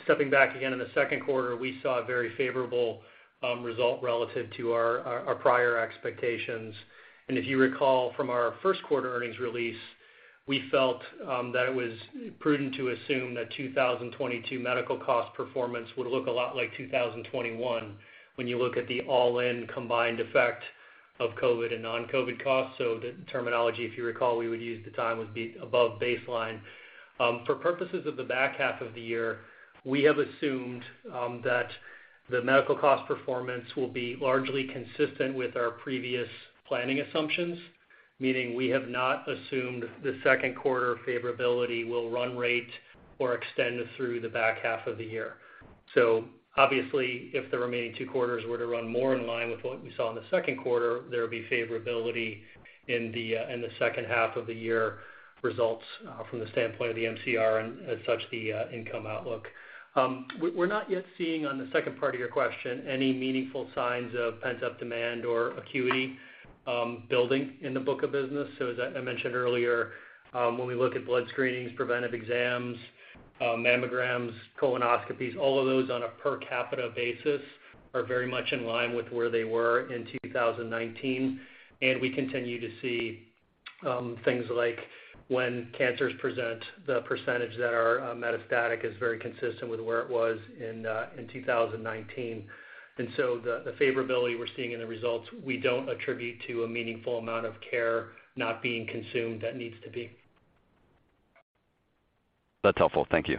stepping back again, in the second quarter, we saw a very favorable result relative to our prior expectations. If you recall from our first quarter earnings release, we felt that it was prudent to assume that 2022 medical cost performance would look a lot like 2021 when you look at the all-in combined effect of COVID and non-COVID costs. The terminology, if you recall, we would use at the time would be above baseline. For purposes of the back half of the year, we have assumed that the medical cost performance will be largely consistent with our previous planning assumptions, meaning we have not assumed the second quarter favorability will run rate or extend through the back half of the year. Obviously, if the remaining two quarters were to run more in line with what we saw in the second quarter, there would be favorability in the second half of the year results from the standpoint of the MCR and as such, the income outlook. We're not yet seeing, on the second part of your question, any meaningful signs of pent-up demand or acuity building in the book of business. As I mentioned earlier, when we look at blood screenings, preventive exams, mammograms, colonoscopies, all of those on a per capita basis are very much in line with where they were in 2019. We continue to see things like when cancers present, the percentage that are metastatic is very consistent with where it was in 2019. The favorability we're seeing in the results, we don't attribute to a meaningful amount of care not being consumed that needs to be. That's helpful. Thank you.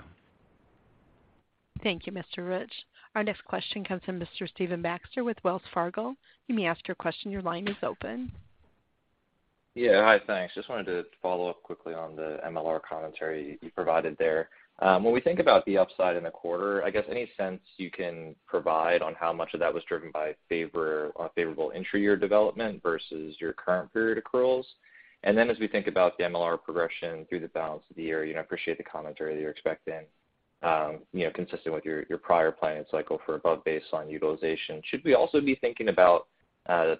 Thank you, Mr. Rich. Our next question comes from Mr. Stephen Baxter with Wells Fargo. You may ask your question. Your line is open. Yeah. Hi, thanks. Just wanted to follow up quickly on the MLR commentary you provided there. When we think about the upside in the quarter, I guess any sense you can provide on how much of that was driven by favorable intra-year development versus your current period accruals. Then as we think about the MLR progression through the balance of the year, you know, I appreciate the commentary that you're expecting, you know, consistent with your prior planning cycle for above baseline utilization. Should we also be thinking about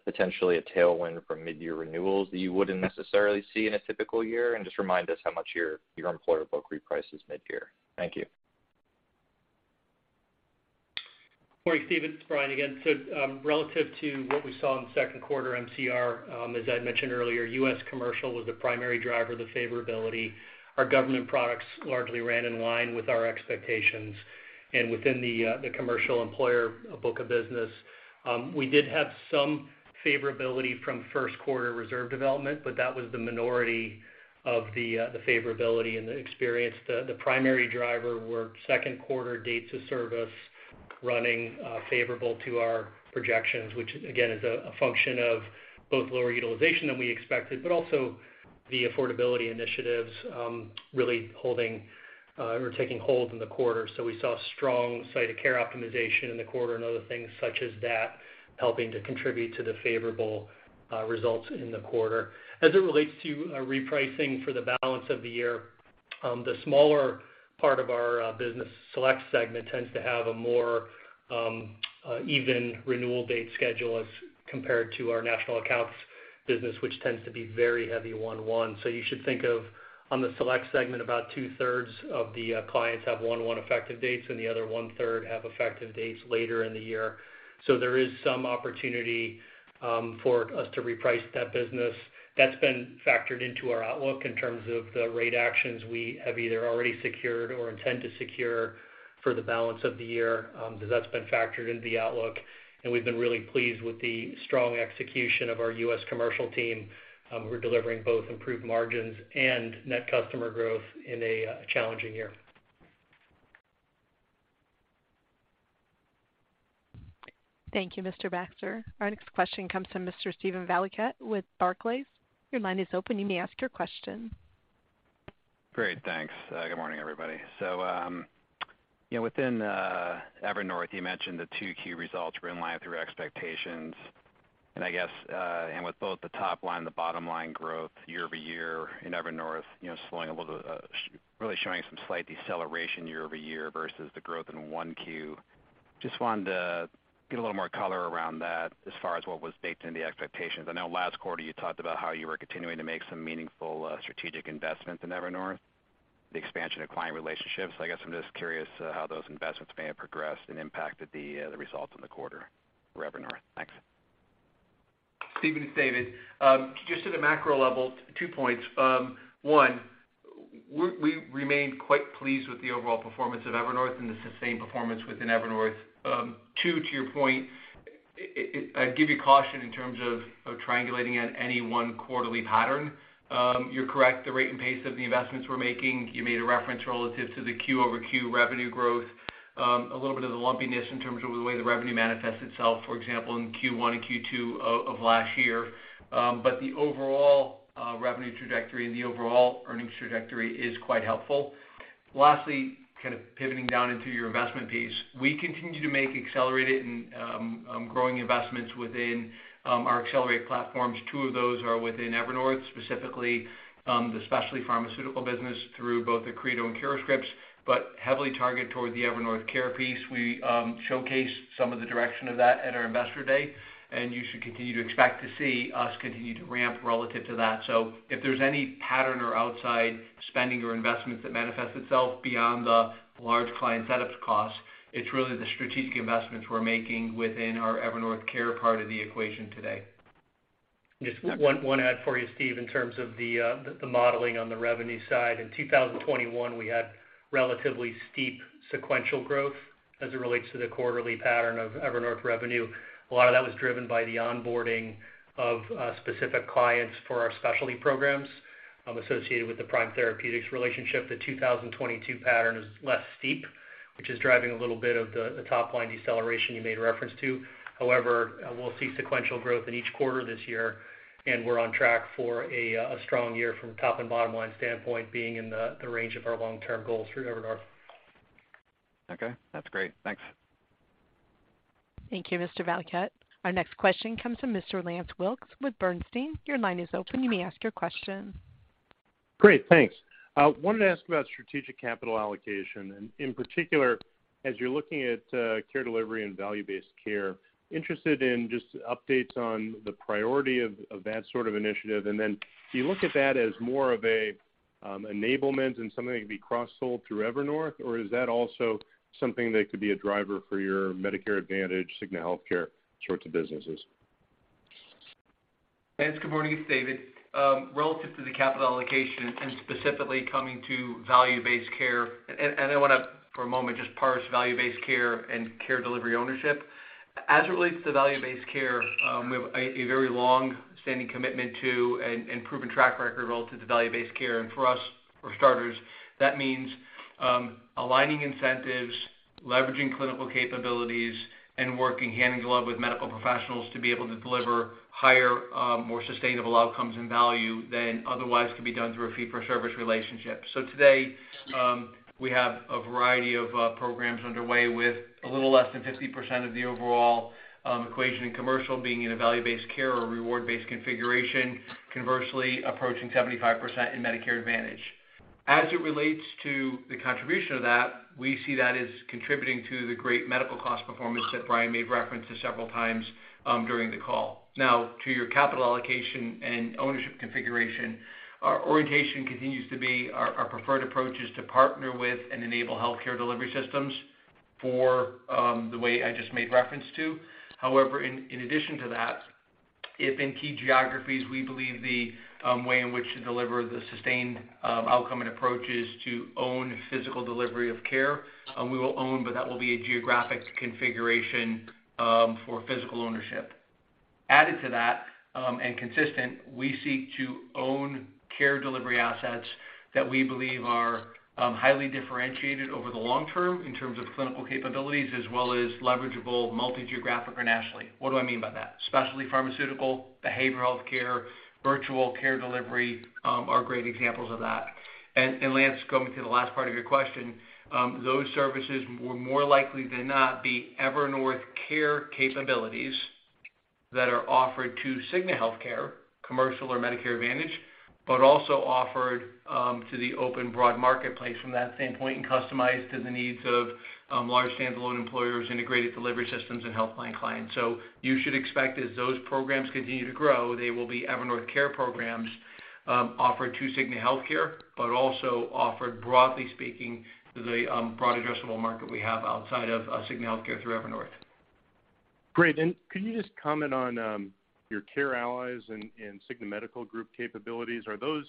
potentially a tailwind from mid-year renewals that you wouldn't necessarily see in a typical year? Just remind us how much your employer book reprices mid-year. Thank you. Morning, Stephen. It's Brian again. Relative to what we saw in the second quarter MCR, as I mentioned earlier, US Commercial was the primary driver of the favorability. Our government products largely ran in line with our expectations. Within the commercial employer book of business, we did have some favorability from first quarter reserve development, but that was the minority of the favorability and the experience. The primary driver were second quarter dates of service running favorable to our projections, which again, is a function of both lower utilization than we expected, but also the affordability initiatives really holding or taking hold in the quarter. We saw strong site of care optimization in the quarter and other things such as that helping to contribute to the favorable results in the quarter. As it relates to repricing for the balance of the year, the smaller part of our business select segment tends to have a more even renewal date schedule as compared to our national accounts business, which tends to be very heavy one-one. You should think of, on the select segment, about 2/3 of the clients have one-one effective dates, and the other 1/3 have effective dates later in the year. There is some opportunity for us to reprice that business. That's been factored into our outlook in terms of the rate actions we have either already secured or intend to secure. For the balance of the year, that's been factored into the outlook, and we've been really pleased with the strong execution of our US Commercial team, who are delivering both improved margins and net customer growth in a challenging year. Thank you, Mr. Baxter. Our next question comes from Mr. Steven Valiquette with Barclays. Your line is open. You may ask your question. Great. Thanks. Good morning, everybody. Yeah, within Evernorth, you mentioned the two key results were in line with your expectations. I guess with both the top line and the bottom-line growth year-over-year in Evernorth, you know, slowing a little, really showing some slight deceleration year-over-year versus the growth in first quarter. Just wanted to get a little more color around that as far as what was baked in the expectations. I know last quarter you talked about how you were continuing to make some meaningful strategic investments in Evernorth, the expansion of client relationships. I guess I'm just curious, how those investments may have progressed and impacted the results in the quarter for Evernorth. Thanks. Steven, it's David. Just at a macro level, two points. One, we remain quite pleased with the overall performance of Evernorth and the sustained performance within Evernorth. Two, to your point, I'd give you caution in terms of triangulating at any one quarterly pattern. You're correct, the rate and pace of the investments we're making. You made a reference relative to the quarter-over-quarter revenue growth, a little bit of the lumpiness in terms of the way the revenue manifests itself, for example, in first quarter and second quarter of last year. The overall revenue trajectory and the overall earnings trajectory is quite helpful. Lastly, kind of pivoting down into your investment piece, we continue to make accelerated and growing investments within our accelerated platforms. Two of those are within Evernorth, specifically, the specialty pharmaceutical business through both Accredo and CuraScript, but heavily targeted toward the Evernorth care piece. We showcase some of the direction of that at our Investor Day, and you should continue to expect to see us continue to ramp relative to that. If there's any pattern or outside spending or investments that manifests itself beyond the large client setup costs, it's really the strategic investments we're making within our Evernorth care part of the equation today. Just one add for you, Steve, in terms of the modeling on the revenue side. In 2021, we had relatively steep sequential growth as it relates to the quarterly pattern of Evernorth revenue. A lot of that was driven by the onboarding of specific clients for our specialty programs associated with the Prime Therapeutics relationship. The 2022 pattern is less steep, which is driving a little bit of the top line deceleration you made reference to. However, we'll see sequential growth in each quarter this year, and we're on track for a strong year from top and bottom-line standpoint being in the range of our long-term goals through Evernorth. Okay, that's great. Thanks. Thank you, Mr. Valiquette. Our next question comes from Mr. Lance Wilkes with Bernstein. Your line is open. You may ask your question. Great, thanks. I wanted to ask about strategic capital allocation, and in particular, as you're looking at care delivery and value-based care, interested in just updates on the priority of that sort of initiative. Then do you look at that as more of a enablement and something that can be cross sold through Evernorth? Or is that also something that could be a driver for your Medicare Advantage, Cigna Healthcare sorts of businesses? Lance, good morning. It's David. Relative to the capital allocation and specifically coming to value-based care, and I want to for a moment just parse value-based care and care delivery ownership. As it relates to value-based care, we have a very long-standing commitment to and proven track record relative to value-based care. For us, for starters, that means aligning incentives, leveraging clinical capabilities, and working hand in glove with medical professionals to be able to deliver higher, more sustainable outcomes and value than otherwise could be done through a fee-for-service relationship. Today, we have a variety of programs underway with a little less than 50% of the overall equation in commercial being in a value-based care or reward-based configuration, conversely, approaching 75% in Medicare Advantage. As it relates to the contribution of that, we see that as contributing to the great medical cost performance that Brian made reference to several times, during the call. Now, to your capital allocation and ownership configuration, our orientation continues to be our preferred approach is to partner with and enable healthcare delivery systems for the way I just made reference to. However, in addition to that, if in key geographies, we believe the way in which to deliver the sustained outcome and approach is to own physical delivery of care, and we will own, but that will be a geographic configuration for physical ownership. Added to that, and consistent, we seek to own care delivery assets that we believe are highly differentiated over the long term in terms of clinical capabilities as well as leverageable multi-geographic or nationally. What do I mean by that? Specialty pharmaceutical, behavioral healthcare, virtual care delivery, are great examples of that. Lance, going to the last part of your question, those services will more likely than not be Evernorth Care capabilities that are offered to Cigna Healthcare, commercial or Medicare Advantage, but also offered, to the open broad marketplace from that same point and customized to the needs of, large standalone employers, integrated delivery systems and health plan clients. You should expect as those programs continue to grow, they will be Evernorth Care programs, offered to Cigna Healthcare, but also offered, broadly speaking to the broad addressable market we have outside of, Cigna Healthcare through Evernorth. Great. Could you just comment on, your CareAllies and, Cigna Medical Group capabilities? Are those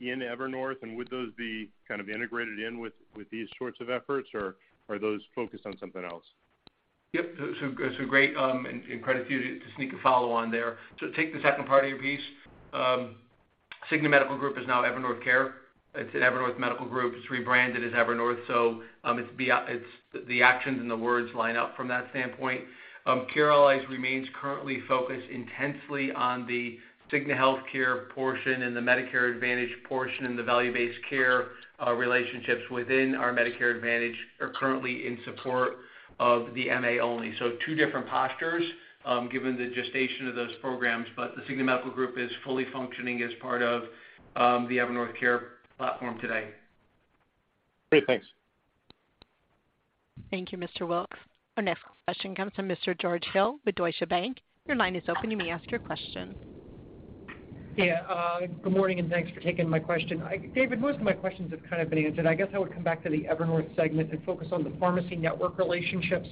in Evernorth? Would those be kind of integrated in with these sorts of efforts, or are those focused on something else? Yep. Great, credit to you to sneak a follow on there. To take the second part of your piece, Evernorth Care Group is now Evernorth Care Group. It's an Evernorth Care Group. It's rebranded as Evernorth. It's the actions and the words line up from that standpoint. CareAllies remains currently focused intensely on the Cigna Healthcare portion and the Medicare Advantage portion and the value-based care relationships within our Medicare Advantage are currently in support of the MA only. Two different postures, given the gestation of those programs. The Evernorth Care Group is fully functioning as part of the Evernorth Care Group platform today. Great. Thanks. Thank you, Mr. Wilkes. Our next question comes from Mr. George Hill with Deutsche Bank. Your line is open. You may ask your question. Yeah, good morning, and thanks for taking my question. David, most of my questions have kind of been answered. I guess I would come back to the Evernorth segment and focus on the pharmacy network relationships.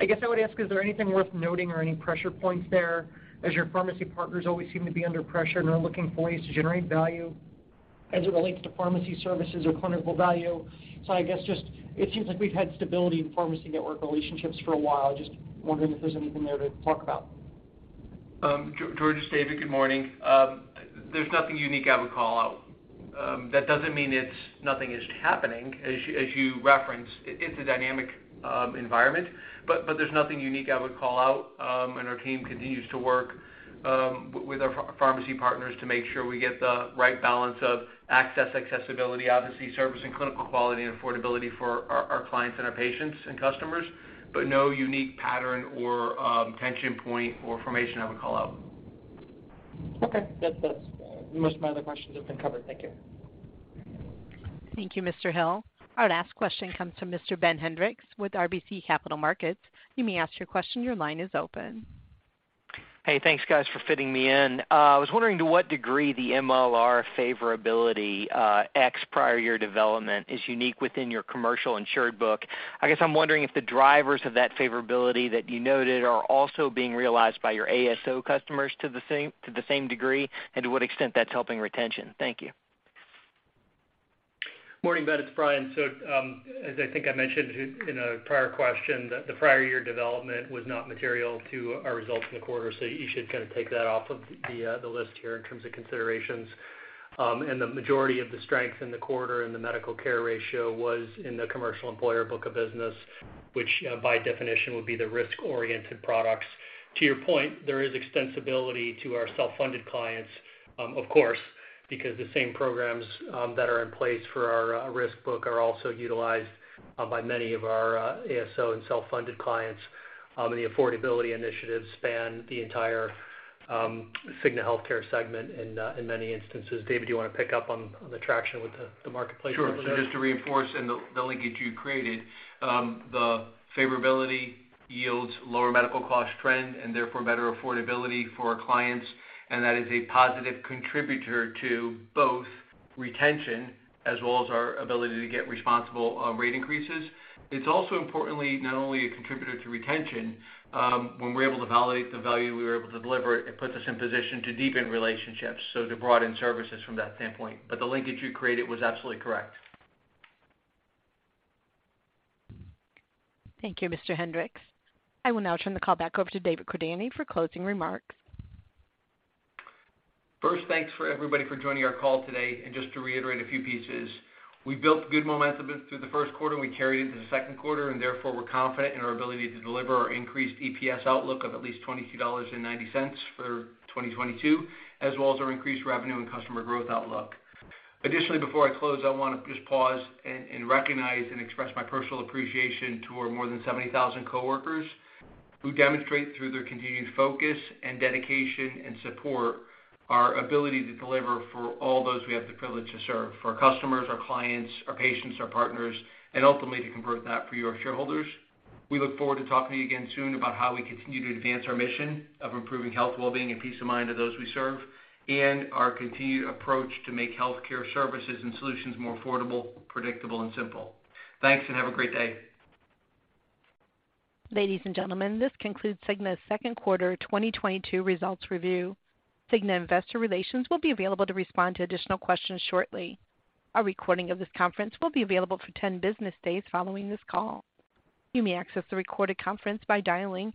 I guess I would ask, is there anything worth noting or any pressure points there as your pharmacy partners always seem to be under pressure and are looking for ways to generate value as it relates to pharmacy services or clinical value? I guess just it seems like we've had stability in pharmacy network relationships for a while. Just wondering if there's anything there to talk about. George, it's David. Good morning. There's nothing unique I would call out. That doesn't mean it's nothing is happening. As you referenced, it's a dynamic environment, but there's nothing unique I would call out. Our team continues to work with our pharmacy partners to make sure we get the right balance of access, accessibility, obviously, service and clinical quality and affordability for our clients and our patients and customers, but no unique pattern or tension point or information I would call out. Okay. That's. Most of my other questions have been covered. Thank you. Thank you, Mr. Hill. Our last question comes from Mr. Ben Hendrix with RBC Capital Markets. You may ask your question. Your line is open. Hey, thanks, guys, for fitting me in. I was wondering to what degree the MLR favorability, ex prior year development is unique within your commercial insured book. I guess I'm wondering if the drivers of that favorability that you noted are also being realized by your ASO customers to the same degree, and to what extent that's helping retention. Thank you. Morning, Ben, it's Brian. As I think I mentioned in a prior question, the prior year development was not material to our results in the quarter. You should kind of take that off of the list here in terms of considerations. The majority of the strength in the quarter and the medical care ratio was in the commercial employer book of business, which by definition would be the risk-oriented products. To your point, there is extensibility to our self-funded clients, of course, because the same programs that are in place for our risk book are also utilized by many of our ASO and self-funded clients. The affordability initiatives span the entire Cigna Healthcare segment in many instances. David, do you want to pick up on the traction with the marketplace? Sure. Just to reinforce the linkage you created, the favorability yields lower medical cost trend and therefore better affordability for our clients, and that is a positive contributor to both retention as well as our ability to get responsible rate increases. It's also importantly not only a contributor to retention, when we're able to validate the value, we're able to deliver, it puts us in position to deepen relationships, so to broaden services from that standpoint. The linkage you created was absolutely correct. Thank you, Mr. Hendrix. I will now turn the call back over to David Cordani for closing remarks. First, thanks for everybody for joining our call today. Just to reiterate a few pieces, we built good momentum through the first quarter, and we carried it into the second quarter, and therefore, we're confident in our ability to deliver our increased EPS outlook of at least $22.90 for 2022, as well as our increased revenue and customer growth outlook. Additionally, before I close, I wanna just pause and recognize and express my personal appreciation to our more than 70,000 coworkers who demonstrate through their continued focus and dedication and support our ability to deliver for all those we have the privilege to serve, for our customers, our clients, our patients, our partners, and ultimately to convert that for your shareholders. We look forward to talking to you again soon about how we continue to advance our mission of improving health well-being and peace of mind to those we serve, and our continued approach to make healthcare services and solutions more affordable, predictable, and simple. Thanks, and have a great day. Ladies and gentlemen, this concludes Cigna's second quarter 2022 results review. Cigna investor relations will be available to respond to additional questions shortly. A recording of this conference will be available for ten business days following this call. You may access the recorded conference by dialing.